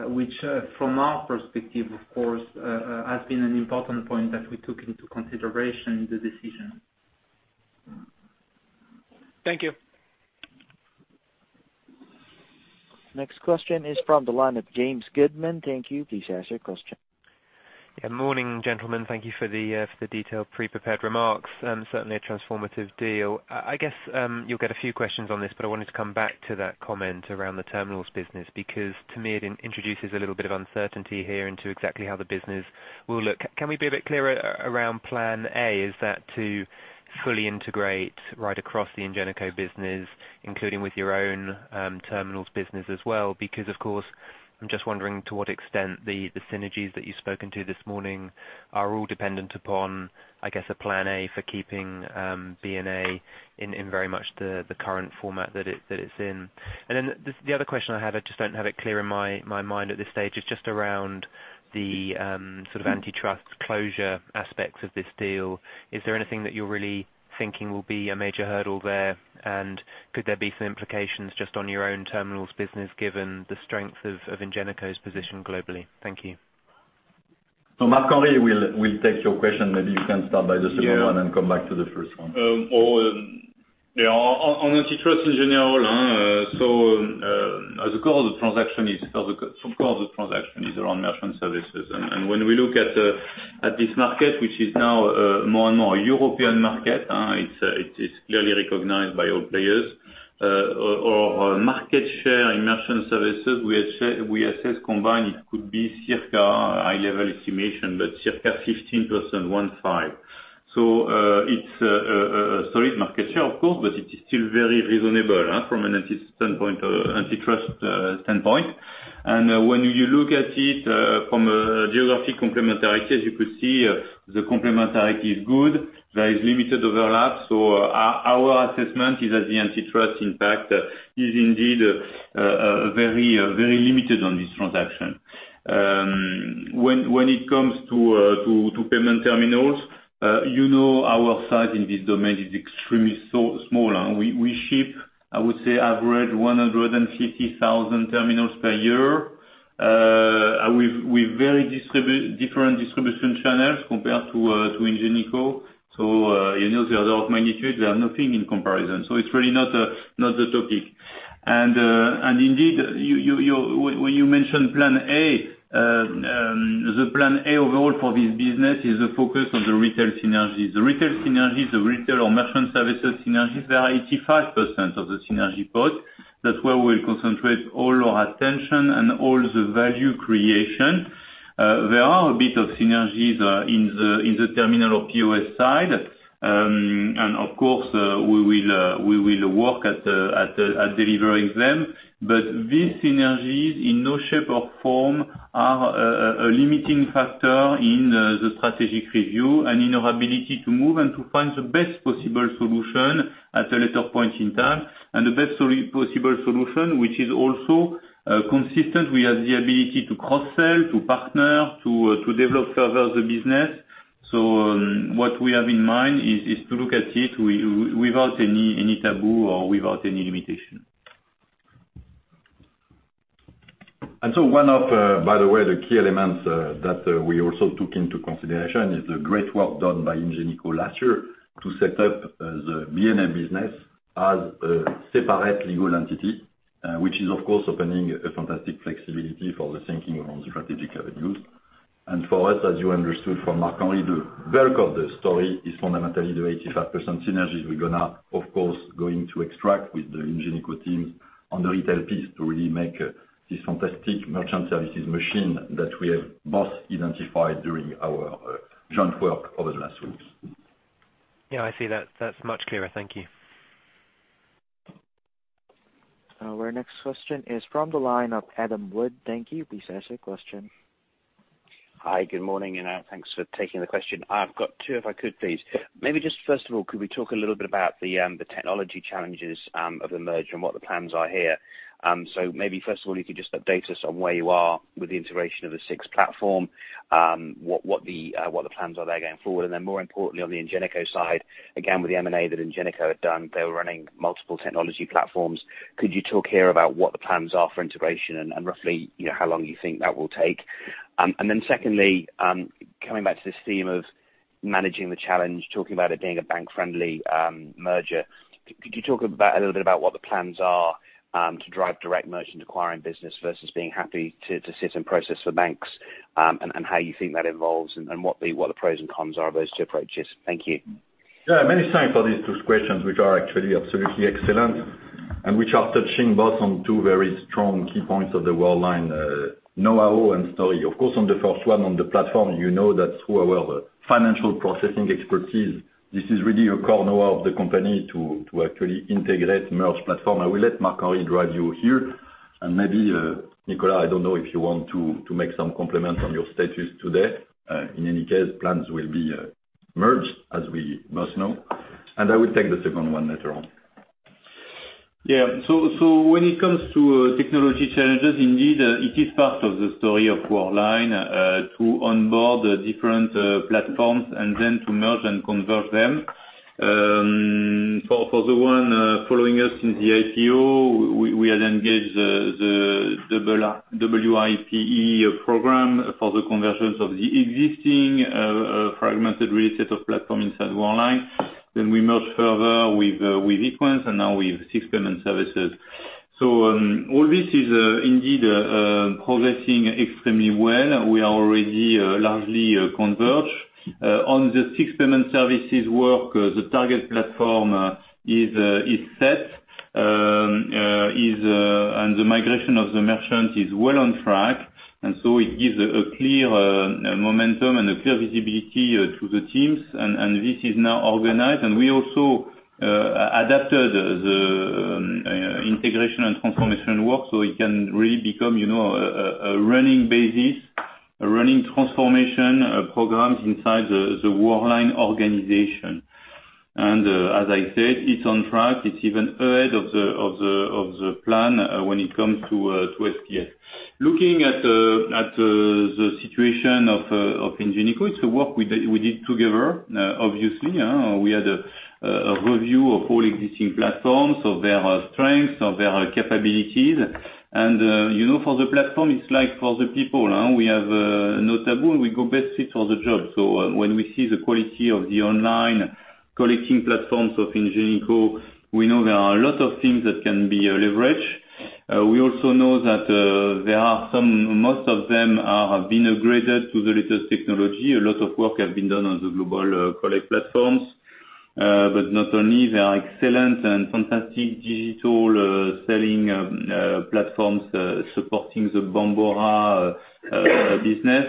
which from our perspective, of course, has been an important point that we took into consideration in the decision. Thank you. Next question is from the line of James Goodman. Thank you. Please ask your question. Yeah, morning, gentlemen. Thank you for the detailed pre-prepared remarks, certainly a transformative deal. I guess, you'll get a few questions on this, but I wanted to come back to that comment around the terminals business, because to me, it introduces a little bit of uncertainty here into exactly how the business will look. Can we be a bit clearer around plan A? Is that to fully integrate right across the Ingenico business, including with your own terminals business as well? Because, of course, I'm just wondering to what extent the synergies that you've spoken to this morning are all dependent upon, I guess, a plan A for keeping B&A in very much the current format that it's in. And then the other question I had, I just don't have it clear in my mind at this stage, is just around the sort of antitrust closure aspects of this deal. Is there anything that you're really thinking will be a major hurdle there? And could there be some implications just on your own terminals business, given the strength of Ingenico's position globally? Thank you. So Marc-Henri will take your question. Maybe you can start by the second one. Yeah. And then come back to the first one. Oh, yeah, on antitrust in general, so the core of the transaction is around merchant services. And when we look at this market, which is now more and more a European market, it's clearly recognized by all players. Our market share in merchant services, we assess combined, it could be circa high level estimation, but circa 15%, 15. So it's a solid market share, of course, but it is still very reasonable from an antitrust standpoint. And when you look at it from a geographic complementarity, as you could see, the complementarity is good. There is limited overlap, so our assessment is that the antitrust impact is indeed very, very limited on this transaction. When it comes to payment terminals, you know, our size in this domain is extremely so small. We ship, I would say, average 150,000 terminals per year. With very different distribution channels compared to Ingenico. So, you know, the order of magnitude, they are nothing in comparison. So it's really not the topic. And indeed, when you mention plan A, the plan A overall for this business is the focus on the retail synergies. The retail synergies, the retail or merchant services synergies, they are 85% of the synergy pot. That's where we'll concentrate all our attention and all the value creation. There are a bit of synergies in the terminal or POS side. And of course, we will work at delivering them. But these synergies, in no shape or form, are a limiting factor in the strategic review and in our ability to move and to find the best possible solution at a later point in time, and the best possible solution, which is also consistent with the ability to cross-sell, to partner, to develop further the business. So, what we have in mind is to look at it without any taboo or without any limitation. And so one of, by the way, the key elements that we also took into consideration is the great work done by Ingenico last year to set up the B&A business as a separate legal entity, which is, of course, opening a fantastic flexibility for the thinking around the strategic avenues. And for us, as you understood from Marc-Henri, the bulk of the story is fundamentally the 85% synergies we're gonna, of course, going to extract with the Ingenico teams on the retail piece to really make this fantastic merchant services machine that we have both identified during our joint work over the last weeks. Yeah, I see that. That's much clearer. Thank you. Our next question is from the line of Adam Wood, thank you. Please ask your question. Hi, good morning, and thanks for taking the question. I've got two, if I could, please. Maybe just first of all, could we talk a little bit about the technology challenges of the merger and what the plans are here? So maybe first of all, you could just update us on where you are with the integration of the SIX platform, what the plans are there going forward. And then more importantly, on the Ingenico side, again, with the M&A that Ingenico had done, they were running multiple technology platforms. Could you talk here about what the plans are for integration and roughly, you know, how long you think that will take? And then secondly, coming back to this theme of managing the challenge, talking about it being a bank-friendly merger, could you talk about a little bit about what the plans are to drive direct merchant acquiring business versus being happy to sit and process for banks, and how you think that evolves, and what the pros and cons are of those two approaches? Thank you. Yeah, many thanks for these two questions, which are actually absolutely excellent, and which are touching both on two very strong key points of the Worldline knowhow and story. Of course, on the first one, on the platform, you know that through our financial processing expertise, this is really a core knowhow of the company to actually integrate merge platform. I will let Marc-Henri drive you here, and maybe, Nicolas, I don't know if you want to make some comments on your status today. In any case, plans will be merged, as we most know. And I will take the second one later on. Yeah. So, when it comes to technology challenges, indeed, it is part of the story of Worldline to onboard the different platforms and then to merge and convert them. For the one following us in the IPO, we had engaged the WIPE program for the conversions of the existing fragmented release set of platform inside Worldline. Then we merged further with Equens, and now with SIX Payment Services. So all this is indeed progressing extremely well. We are already largely converged. On the SIX Payment Services work, the target platform is set, and the migration of the merchants is well on track. And so it gives a clear momentum and a clear visibility to the teams, and this is now organized. We also adapted the integration and transformation work, so it can really become, you know, a running basis, a running transformation programs inside the Worldline organization. As I said, it's on track. It's even ahead of the plan when it comes to SPS. Looking at the situation of Ingenico, it's a work we did together. Obviously, we had a review of all existing platforms, of their strengths, of their capabilities. And you know, for the platform, it's like for the people, we have no taboo, and we go best fit for the job. So when we see the quality of the online collecting platforms of Ingenico, we know there are a lot of things that can be leveraged. We also know that most of them have been upgraded to the latest technology. A lot of work has been done on the Global Collect platforms. But not only, they are excellent and fantastic digital selling platforms supporting the Bambora business.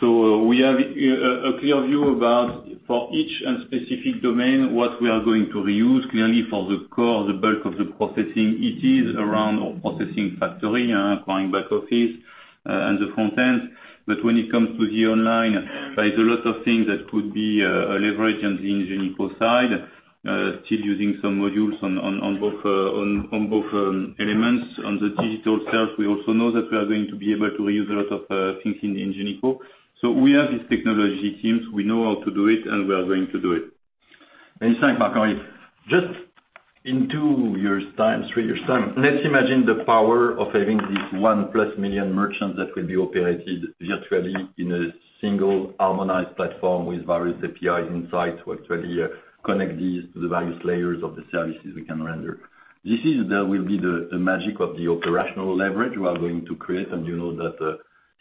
So we have a clear view about for each and specific domain what we are going to reuse. Clearly, for the core, the bulk of the processing, it is around our processing factory calling back office and the front end. But when it comes to the online, there is a lot of things that could be leveraged on the Ingenico side, still using some modules on both elements. On the digital self, we also know that we are going to be able to reuse a lot of things in Ingenico. So we have these technology teams. We know how to do it, and we are going to do it. Many thanks, Marc-Henri. Just in two years' time, three years' time, let's imagine the power of having these 1+ million merchants that will be operated virtually in a single harmonized platform with various APIs inside to actually connect these to the various layers of the services we can render. This is, that will be the magic of the operational leverage we are going to create, and you know that, ...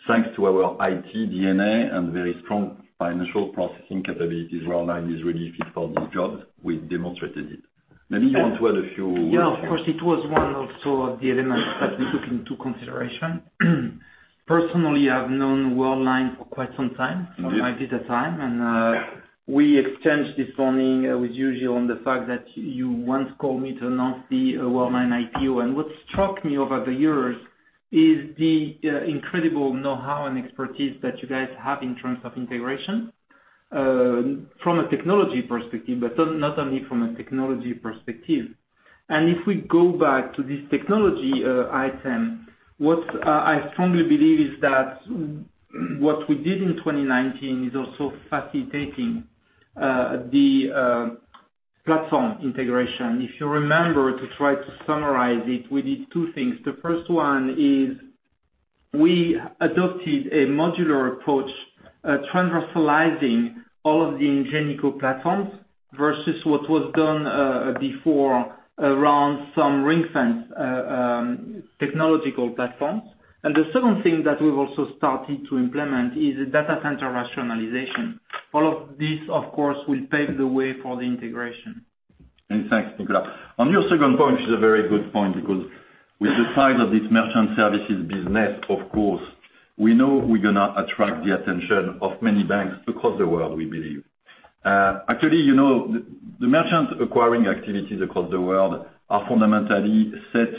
thanks to our IT DNA and very strong financial processing capabilities, Worldline is really fit for this job. We've demonstrated it. Maybe you want to add a few- Yeah, of course, it was one also of the elements that we took into consideration. Personally, I've known Worldline for quite some time. Yes. I did the time, and we exchanged this morning, as usual, on the fact that you once called me to announce the Worldline IPO. And what struck me over the years is the incredible know-how and expertise that you guys have in terms of integration from a technology perspective, but not only from a technology perspective. And if we go back to this technology item, what I strongly believe is that what we did in 2019 is also facilitating the platform integration. If you remember, to try to summarize it, we did two things. The first one is, we adopted a modular approach, transversalizing all of the Ingenico platforms versus what was done before, around some ring-fence technological platforms. And the second thing that we've also started to implement is a data center rationalization. All of this, of course, will pave the way for the integration. Thanks, Nicolas. On your second point, which is a very good point, because with the size of this merchant services business, of course, we know we're gonna attract the attention of many banks across the world, we believe. Actually, you know, the merchant acquiring activities across the world are fundamentally set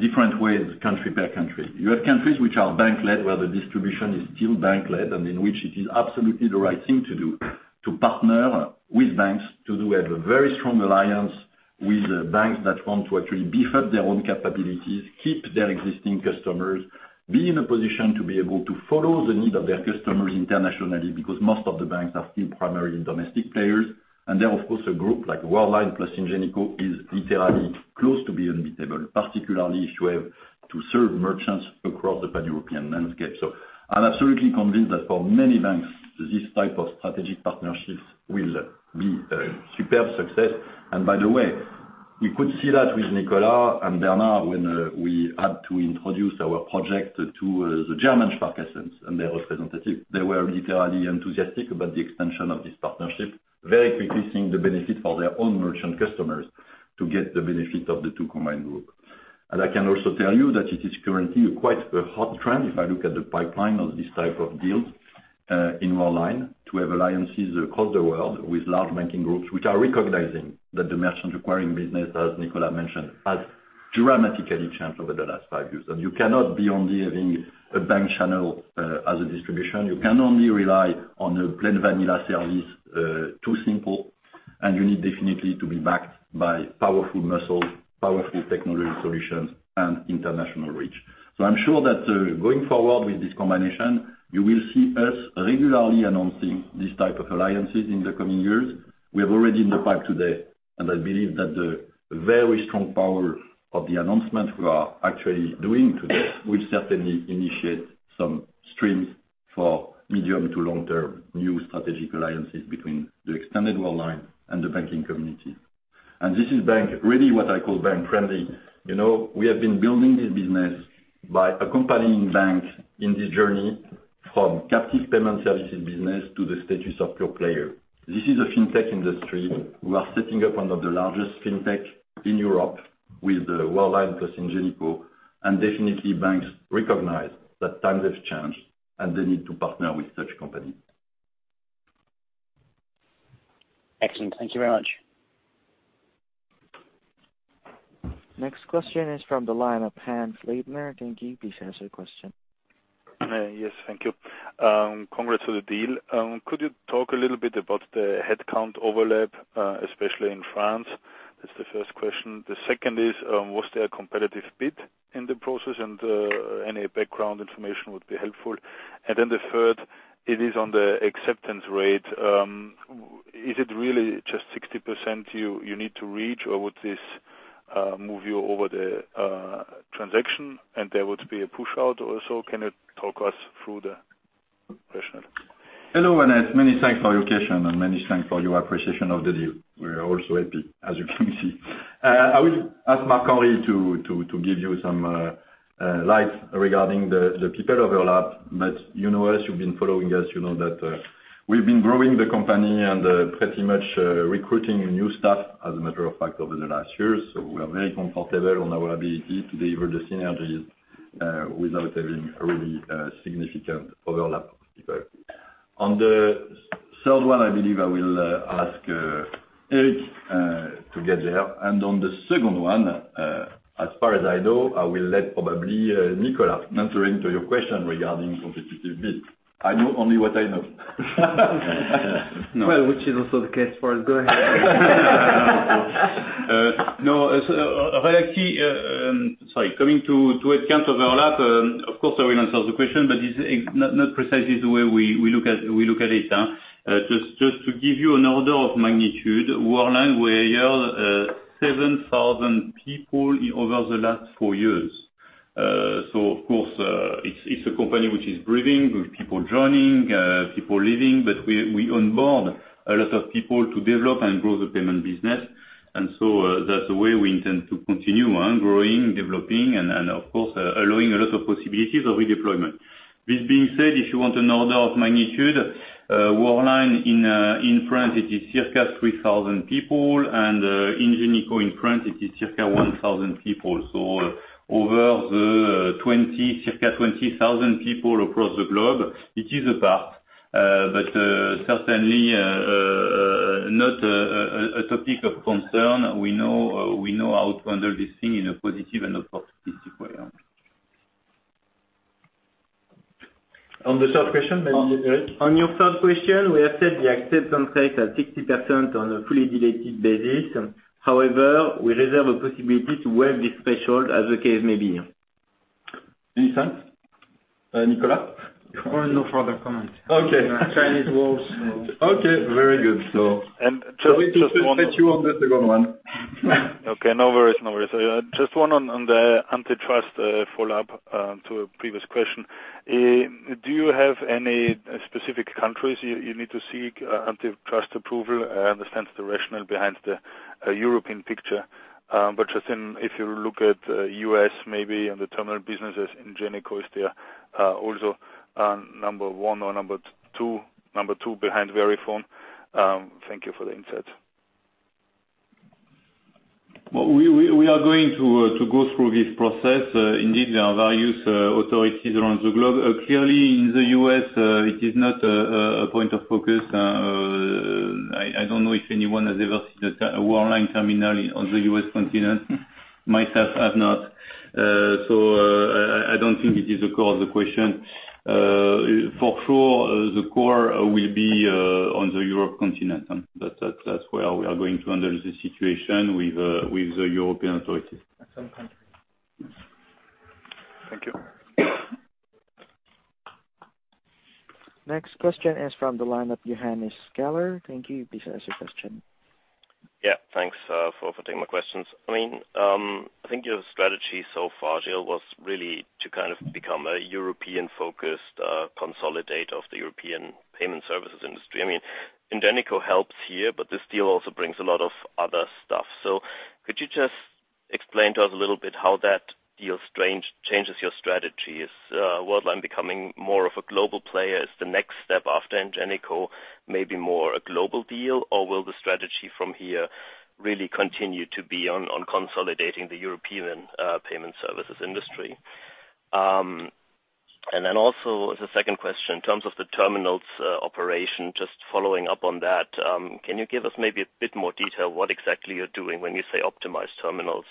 different ways, country by country. You have countries which are bank-led, where the distribution is still bank-led, and in which it is absolutely the right thing to do, to partner with banks, to do have a very strong alliance with banks that want to actually beef up their own capabilities, keep their existing customers, be in a position to be able to follow the need of their customers internationally, because most of the banks are still primarily domestic players. And then, of course, a group like Worldline plus Ingenico is literally close to being unbeatable, particularly if you have to serve merchants across the pan-European landscape. So I'm absolutely convinced that for many banks, this type of strategic partnerships will be a superb success. And by the way, you could see that with Nicolas and Bernard when we had to introduce our project to the German Sparkassen and their representative. They were literally enthusiastic about the expansion of this partnership, very quickly seeing the benefit for their own merchant customers to get the benefit of the two combined group. I can also tell you that it is currently quite a hot trend, if I look at the pipeline of this type of deals in Worldline, to have alliances across the world with large banking groups, which are recognizing that the merchant acquiring business, as Nicolas mentioned, has dramatically changed over the last five years. You cannot be only having a bank channel as a distribution. You can only rely on a plain vanilla service too simple, and you need definitely to be backed by powerful muscles, powerful technology solutions, and international reach. I'm sure that going forward with this combination, you will see us regularly announcing these type of alliances in the coming years. We have already in the pipe today, and I believe that the very strong power of the announcement we are actually doing today, will certainly initiate some streams for medium- to long-term new strategic alliances between the extended Worldline and the banking community. This is, really, what I call bank friendly. You know, we have been building this business by accompanying banks in this journey from captive payment services business to the status of pure player. This is a fintech industry. We are setting up one of the largest fintech in Europe with Worldline plus Ingenico, and definitely, banks recognize that times have changed and they need to partner with such company. Excellent. Thank you very much. Next question is from the line of Hannes Leitner. Thank you. Please ask your question. Yes, thank you. Congrats to the deal. Could you talk a little bit about the headcount overlap, especially in France? That's the first question. The second is, was there a competitive bid in the process? And, any background information would be helpful. And then the third, it is on the acceptance rate. Is it really just 60% you need to reach, or would this move you over the transaction, and there would be a push out also? Can you talk us through the question? Hello, Hannes. Many thanks for your question, and many thanks for your appreciation of the deal. We're also happy, as you can see. I will ask Marc-Henri to give you some light regarding the people overlap. But you know us, you've been following us, you know that, we've been growing the company and, pretty much, recruiting new staff, as a matter of fact, over the last years. So we are very comfortable on our ability to deliver the synergies, without having a really, significant overlap. On the third one, I believe I will ask Eric to get there. And on the second one, as far as I know, I will let probably Nicolas answer into your question regarding competitive bid. I know only what I know. Well, which is also the case for us. Go ahead. No, so, well, actually, sorry, coming to headcount overlap, of course, I will answer the question, but it's not precisely the way we look at it. Just to give you an order of magnitude, Worldline, we hired 7,000 people over the last 4 years. So of course, it's a company which is breathing, with people joining, people leaving, but we onboard a lot of people to develop and grow the payment business. And so, that's the way we intend to continue growing, developing, and then, of course, allowing a lot of possibilities of redeployment. This being said, if you want an order of magnitude, Worldline in France, it is circa 3,000 people, and Ingenico in France, it is circa 1,000 people. So over the 20, circa 20,000 people across the globe, it is a part, but certainly not a topic of concern. We know how to handle this thing in a positive and appropriate way. On the third question, maybe Eric? On your third question, we have said the acceptance rate at 60% on a fully diluted basis. However, we reserve a possibility to waive this threshold as the case may be. Any sense, Nicolas? Well, no further comment. Okay. Chinese walls. Okay, very good. So- Just one- We can set you on the second one. Okay, no worries, no worries. Just one on the antitrust follow-up to a previous question. Do you have any specific countries you need to seek antitrust approval? I understand the rationale behind the European picture, but just, if you look at the U.S. maybe, and the terminal businesses, Ingenico is there, also number one or number two - number two behind Verifone. Thank you for the insight. Well, we are going to go through this process. Indeed, there are various authorities around the globe. Clearly, in the U.S., it is not a point of focus. I don't know if anyone has ever seen a Worldline terminal on the U.S. continent. Myself, I have not. So, I don't think it is a core of the question. For sure, the core will be on the European continent, and that's where we are going to handle the situation with the European authorities. At some country. Thank you. Next question is from the line of Johannes Keller. Thank you. Please ask your question. Yeah, thanks, for taking my questions. I mean, I think your strategy so far, Gilles, was really to kind of become a European-focused, consolidator of the European payment services industry. I mean, Ingenico helps here, but this deal also brings a lot of other stuff. So could you just explain to us a little bit how that deal changes your strategy? Is, Worldline becoming more of a global player? Is the next step after Ingenico maybe more a global deal, or will the strategy from here really continue to be on, on consolidating the European, payment services industry? And then also, as a second question, in terms of the terminals, operation, just following up on that, can you give us maybe a bit more detail what exactly you're doing when you say optimize terminals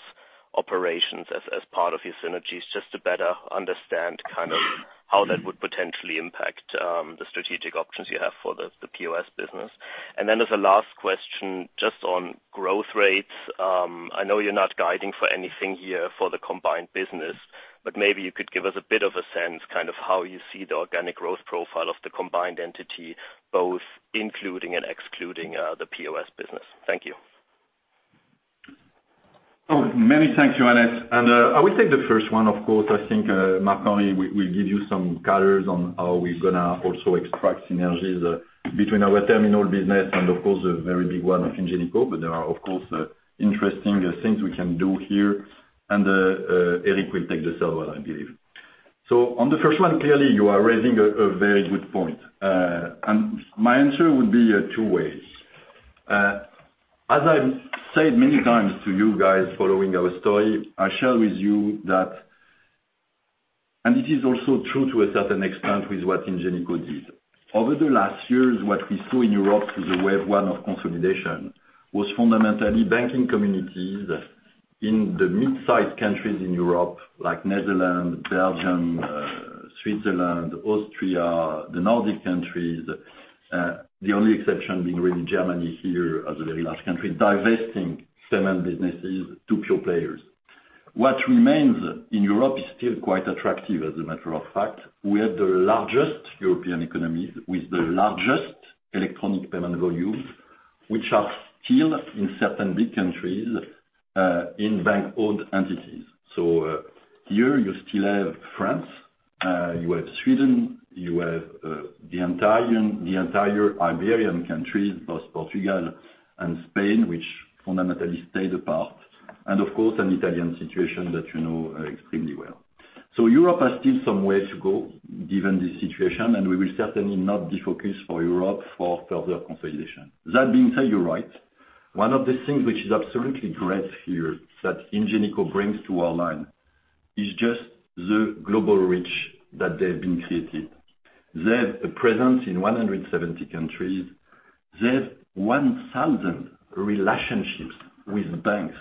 operations as, as part of your synergies? Just to better understand kind of how that would potentially impact the strategic options you have for the POS business. And then as a last question, just on growth rates, I know you're not guiding for anything here for the combined business, but maybe you could give us a bit of a sense, kind of how you see the organic growth profile of the combined entity, both including and excluding the POS business. Thank you. Oh, many thanks, Johannes. And, I will take the first one. Of course, I think, Marc-Henri, we will give you some colors on how we're gonna also extract synergies between our terminal business and, of course, a very big one of Ingenico. But there are, of course, interesting things we can do here. And, Eric will take the third one, I believe. So on the first one, clearly, you are raising a very good point. And my answer would be two ways. As I've said many times to you guys, following our story, I share with you that. And it is also true to a certain extent with what Ingenico did. Over the last years, what we saw in Europe through the wave one of consolidation, was fundamentally banking communities in the mid-sized countries in Europe, like Netherlands, Belgium, Switzerland, Austria, the Nordic countries, the only exception being really Germany here, as a very large country, divesting several businesses to pure players. What remains in Europe is still quite attractive, as a matter of fact. We have the largest European economies with the largest electronic payment volumes, which are still in certain big countries, in bank-owned entities. So, here, you still have France, you have Sweden, you have, the entire Iberian countries, both Portugal and Spain, which fundamentally stayed apart, and of course, an Italian situation that you know, extremely well. Europe has still some way to go given this situation, and we will certainly not be focused for Europe for further consolidation. That being said, you're right. One of the things which is absolutely great here, that Ingenico brings to Worldline, is just the global reach that they've been creating. They have a presence in 170 countries. They have 1,000 relationships with banks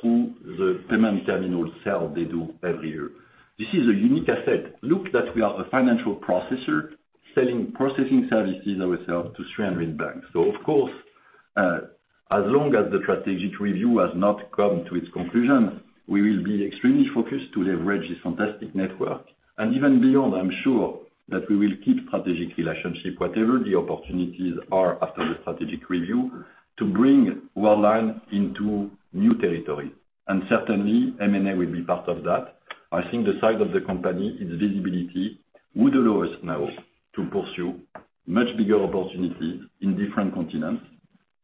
through the payment terminal sale they do every year. This is a unique asset. Look, that we are a financial processor, selling processing services ourselves to 300 banks. So of course, as long as the strategic review has not come to its conclusion, we will be extremely focused to leverage this fantastic network, and even beyond. I'm sure that we will keep strategic relationship, whatever the opportunities are, after the strategic review, to bring Worldline into new territory, and certainly M&A will be part of that. I think the size of the company, its visibility, would allow us now to pursue much bigger opportunities in different continents....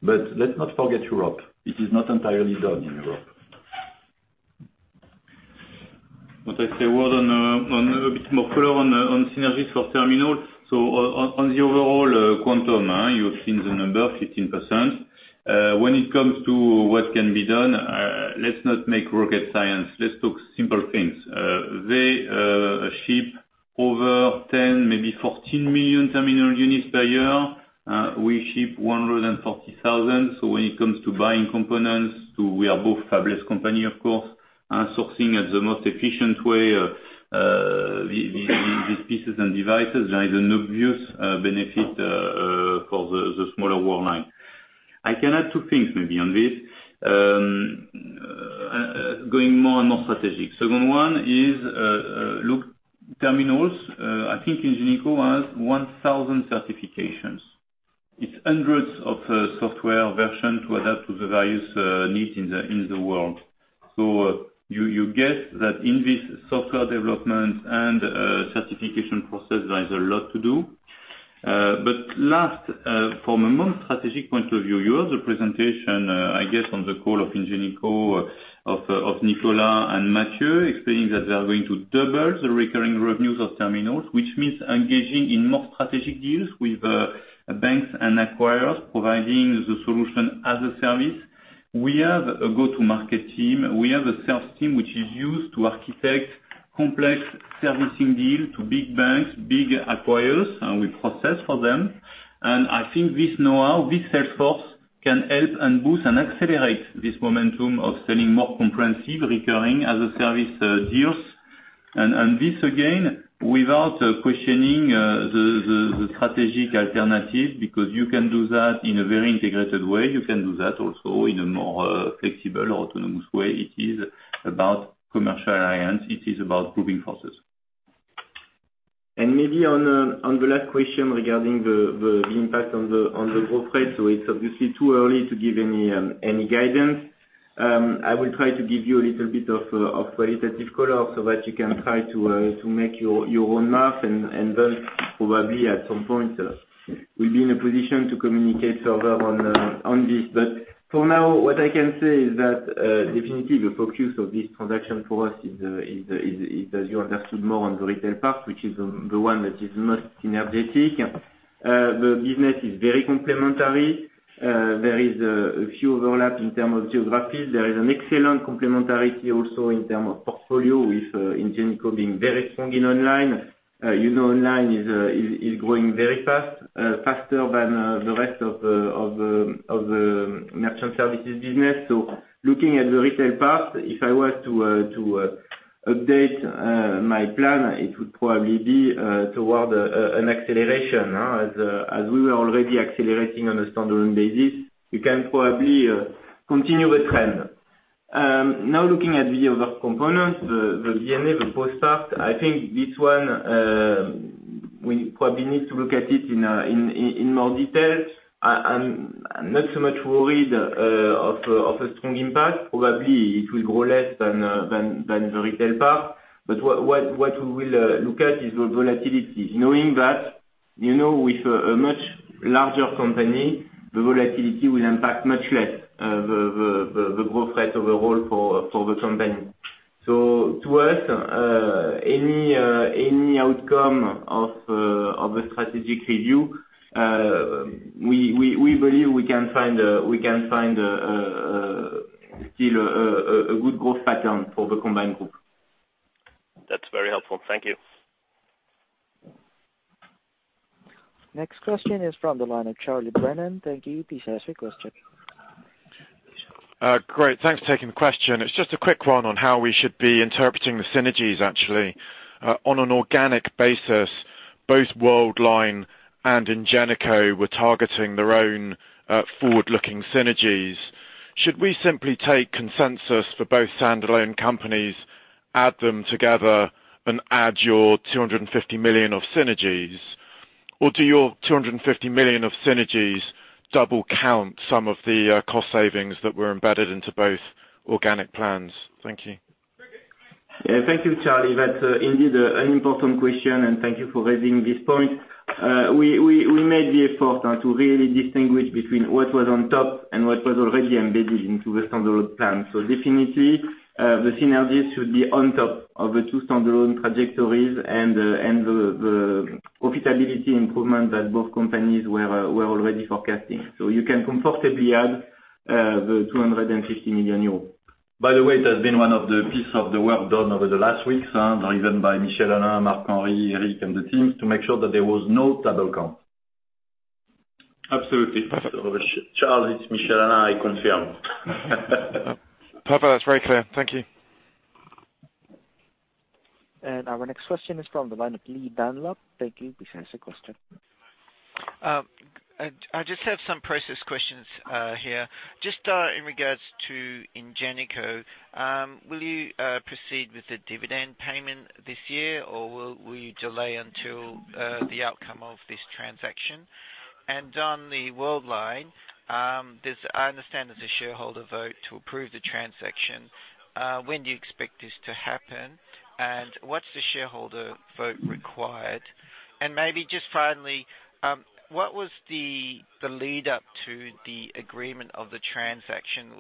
but let's not forget Europe. It is not entirely done in Europe. But I say a word on a bit more color on synergies for terminal. So on the overall quantum, you have seen the number, 15%. When it comes to what can be done, let's not make rocket science, let's talk simple things. They ship over 10, maybe 14 million terminal units per year. We ship 140,000, so when it comes to buying components, we are both fabulous company, of course. And sourcing as the most efficient way, these pieces and devices, there is an obvious benefit for the smaller Worldline. I can add two things maybe on this. Going more and more strategic. Second one is, look, terminals, I think Ingenico has 1,000 certifications. It's hundreds of software version to adapt to the various needs in the world. So, you get that in this software development and certification process, there is a lot to do. But lastly, from a more strategic point of view, you have the presentation, I guess, on the call of Ingenico, of Nicolas and Mathieu, explaining that they are going to double the recurring revenues of terminals, which means engaging in more strategic deals with banks and acquirers, providing the solution as a service. We have a go-to-market team. We have a sales team, which is used to architect complex servicing deals to big banks, big acquirers, and we process for them. And I think this know-how, this sales force, can help and boost and accelerate this momentum of selling more comprehensive, recurring, as-a-service deals. And this, again, without questioning the strategic alternative, because you can do that in a very integrated way. You can do that also in a more flexible, autonomous way. It is about commercial alliance. It is about pooling forces. Maybe on the last question regarding the impact on the growth rate. It's obviously too early to give any guidance. I will try to give you a little bit of qualitative color so that you can try to make your own math, and then probably at some point, we'll be in a position to communicate further on this. But for now, what I can say is that definitely the focus of this transaction for us is, as you understood, more on the retail part, which is the one that is most energetic. The business is very complementary. There is a few overlap in terms of geographies. There is an excellent complementarity also in term of portfolio with, Ingenico being very strong in online. You know, online is growing very fast, faster than the rest of the merchant services business. So looking at the retail part, if I were to update my plan, it would probably be toward an acceleration, huh? As we were already accelerating on a standalone basis, we can probably continue the trend. Now, looking at the other components, the B&A, the POS part, I think this one, we probably need to look at it in more detail. I'm not so much worried of a strong impact. Probably it will grow less than the retail part. But what we will look at is the volatility, knowing that, you know, with a much larger company, the volatility will impact much less the growth rate overall for the company. So to us, any outcome of a strategic review, we believe we can find still a good growth pattern for the combined group. That's very helpful. Thank you. Next question is from the line of Charlie Brennan. Thank you. Please ask your question. Great. Thanks for taking the question. It's just a quick one on how we should be interpreting the synergies, actually. On an organic basis, both Worldline and Ingenico were targeting their own, forward-looking synergies. Should we simply take consensus for both standalone companies, add them together, and add your 250 million of synergies? Or do your 250 million of synergies double count some of the, cost savings that were embedded into both organic plans? Thank you. Yeah, thank you, Charlie. That's, indeed, an important question, and thank you for raising this point. We made the effort to really distinguish between what was on top and what was already embedded into the standalone plan. So definitely, the synergies should be on top of the two standalone trajectories and the profitability improvement that both companies were already forecasting. So you can comfortably add the 250 million euros. By the way, that's been one of the pieces of the work done over the last weeks, and driven by Michel-Alain, Marc-Henri, Eric, and the teams, to make sure that there was no double count. Absolutely. Charles, it's Michel-Alain. I confirm. Perfect. That's very clear. Thank you. Our next question is from the line of Lee Dunlop. Thank you. Please ask your question. I just have some process questions here. Just in regards to Ingenico, will you proceed with the dividend payment this year, or will you delay until the outcome of this transaction? And on Worldline, does, I understand there's a shareholder vote to approve the transaction. When do you expect this to happen, and what's the shareholder vote required? And maybe just finally, what was the lead up to the agreement of the transaction?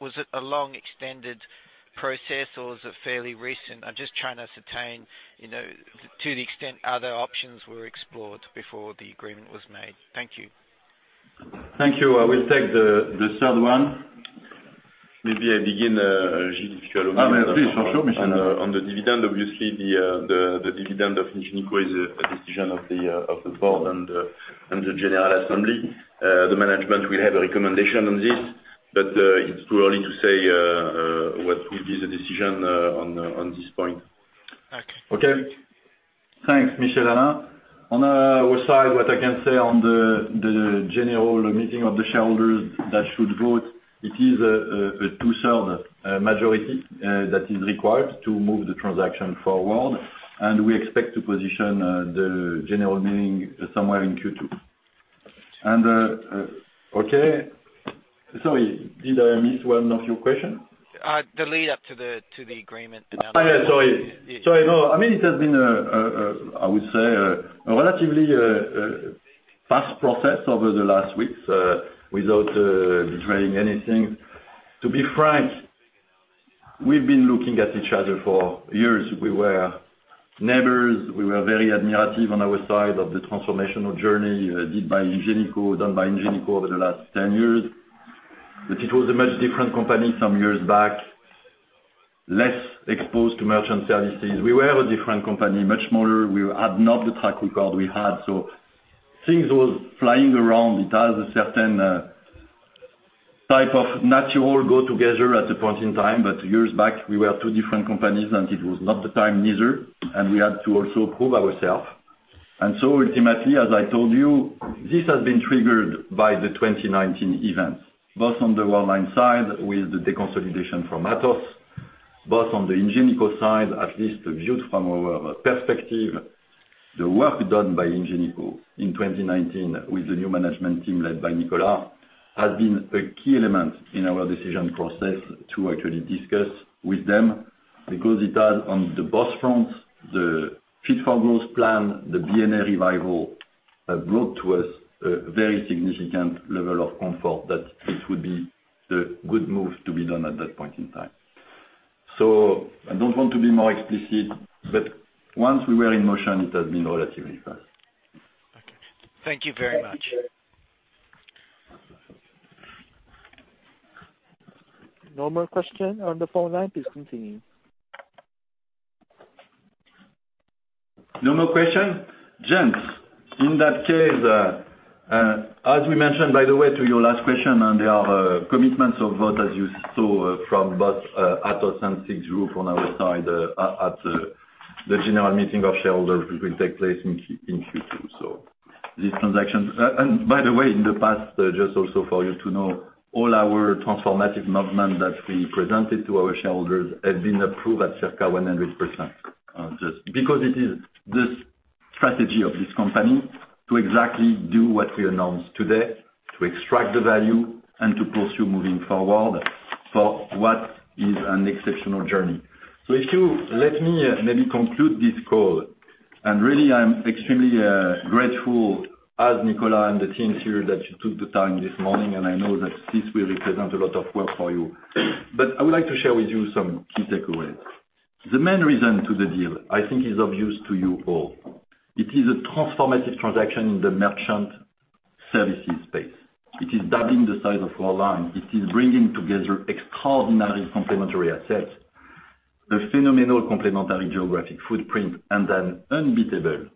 Was it a long, extended-... process or is it fairly recent? I'm just trying to ascertain, you know, to the extent other options were explored before the agreement was made. Thank you. Thank you. I will take the third one. Maybe I begin, Gilles, if you allow me- Please, for sure, Michel-Alain. On the dividend, obviously, the dividend of Ingenico is a decision of the board and the general assembly. The management will have a recommendation on this, but it's too early to say what will be the decision on this point. Okay. Okay? Thanks, Michel-Alain. On our side, what I can say on the general meeting of the shareholders that should vote, it is a two-thirds majority that is required to move the transaction forward, and we expect to position the general meeting somewhere in Q2. And okay, sorry, did I miss one of your questions? The lead up to the agreement, the number- Ah, yeah, sorry. Sorry, no, I mean, it has been, I would say, a relatively fast process over the last weeks, without betraying anything. To be frank, we've been looking at each other for years. We were neighbors, we were very admirative on our side of the transformational journey done by Ingenico, done by Ingenico over the last 10 years. But it was a much different company some years back, less exposed to merchant services. We were a different company, much smaller. We had not the track record we had, so things was flying around. It has a certain type of natural go together at a point in time. But years back, we were two different companies, and it was not the time neither, and we had to also prove ourself. And so ultimately, as I told you, this has been triggered by the 2019 events, both on the Worldline side with the deconsolidation from Atos, both on the Ingenico side, at least viewed from our perspective. The work done by Ingenico in 2019 with the new management team led by Nicolas has been a key element in our decision process to actually discuss with them, because it has, on both fronts, the Fit for Growth plan, the B&A revival, brought to us a very significant level of comfort that it would be the good move to be done at that point in time. So I don't want to be more explicit, but once we were in motion, it has been relatively fast. Okay. Thank you very much. No more questions on the phone line, please continue. No more questions? Gents, in that case, as we mentioned, by the way, to your last question, on there are commitments of vote, as you saw from both Atos and SIX Group on our side, at the general meeting of shareholders, which will take place in Q2, so these transactions... And by the way, in the past, just also for you to know, all our transformative movement that we presented to our shareholders have been approved at circa 100%. Just because it is the strategy of this company to exactly do what we announced today, to extract the value and to pursue moving forward for what is an exceptional journey. So if you let me maybe conclude this call, and really, I'm extremely grateful, as Nicolas and the teams here, that you took the time this morning, and I know that this will represent a lot of work for you. But I would like to share with you some key takeaways. The main reason to the deal, I think, is obvious to you all. It is a transformative transaction in the merchant services space. It is doubling the size of Worldline. It is bringing together extraordinary complementary assets, the phenomenal complementary geographic footprint, and an unbeatable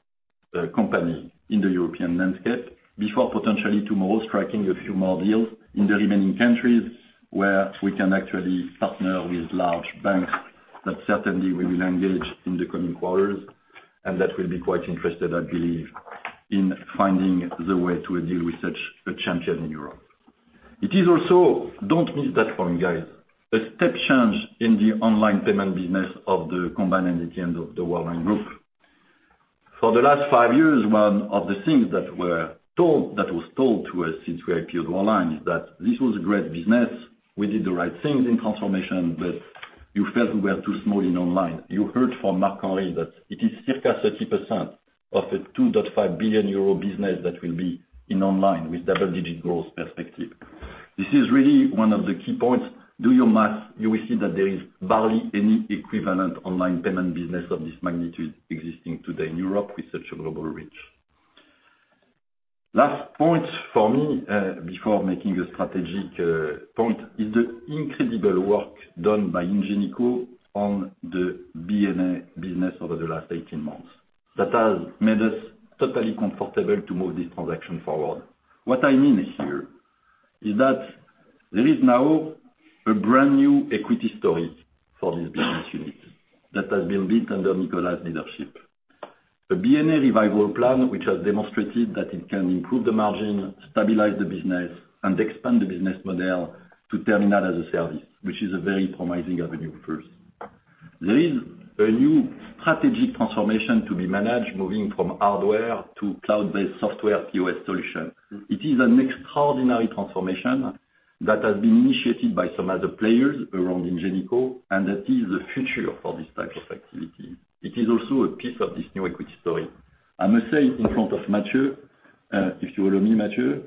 company in the European landscape. Before potentially tomorrow, striking a few more deals in the remaining countries, where we can actually partner with large banks, that certainly we will engage in the coming quarters. That will be quite interesting, I believe, in finding the way to a deal with such a champion in Europe. It is also, don't miss that point, guys, a step change in the online payment business of the combined entity of the Worldline Group. For the last 5 years, one of the things that were told, that was told to us since we acquired Worldline, is that this was a great business. We did the right things in transformation, but you felt we were too small in online. You heard from Marc-Henri that it is circa 30% of a 2.5 billion euro business that will be in online, with double-digit growth perspective. This is really one of the key points. Do your math. You will see that there is barely any equivalent online payment business of this magnitude existing today in Europe with such a global reach. Last point for me, before making a strategic, point, is the incredible work done by Ingenico on the B&A business over the last 18 months, that has made us totally comfortable to move this transaction forward. What I mean here is that there is now a brand-new equity story for this business unit that has been built under Nicolas' leadership. The B&A revival plan, which has demonstrated that it can improve the margin, stabilize the business, and expand the business model to Terminal as a Service, which is a very promising avenue first. There is a new strategic transformation to be managed, moving from hardware to cloud-based software POS solution. It is an extraordinary transformation that has been initiated by some other players around Ingenico, and that is the future for this type of activity. It is also a piece of this new equity story. I must say, in front of Mathieu, if you allow me, Mathieu,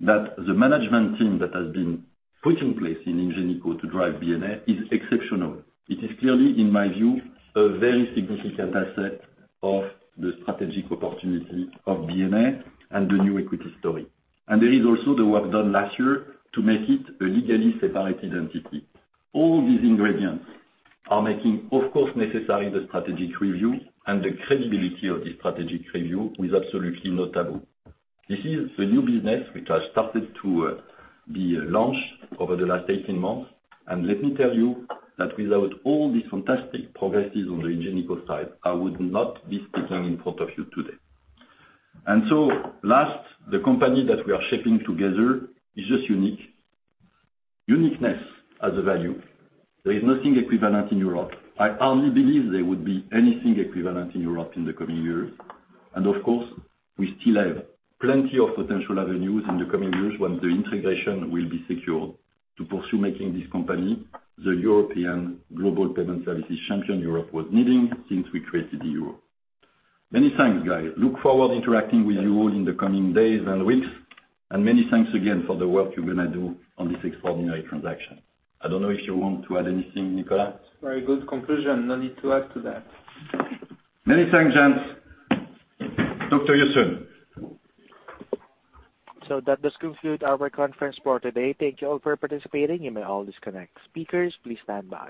that the management team that has been put in place in Ingenico to drive B&A is exceptional. It is clearly, in my view, a very significant asset of the strategic opportunity of B&A and the new equity story. And there is also the work done last year to make it a legally separated entity. All these ingredients are making, of course, necessary the strategic review, and the credibility of the strategic review is absolutely notable. This is the new business which has started to be launched over the last eighteen months. Let me tell you that without all these fantastic progresses on the Ingenico side, I would not be speaking in front of you today. So last, the company that we are shaping together is just unique. Uniqueness has a value. There is nothing equivalent in Europe. I hardly believe there would be anything equivalent in Europe in the coming years. And of course, we still have plenty of potential avenues in the coming years, when the integration will be secured, to pursue making this company the European global payment services champion Europe was needing since we created the euro. Many thanks, guys. Look forward to interacting with you all in the coming days and weeks, and many thanks again for the work you're gonna do on this extraordinary transaction. I don't know if you want to add anything, Nicolas? Very good conclusion. No need to add to that. Many thanks, gents. Talk to you soon. That does conclude our conference for today. Thank you all for participating. You may all disconnect. Speakers, please stand by.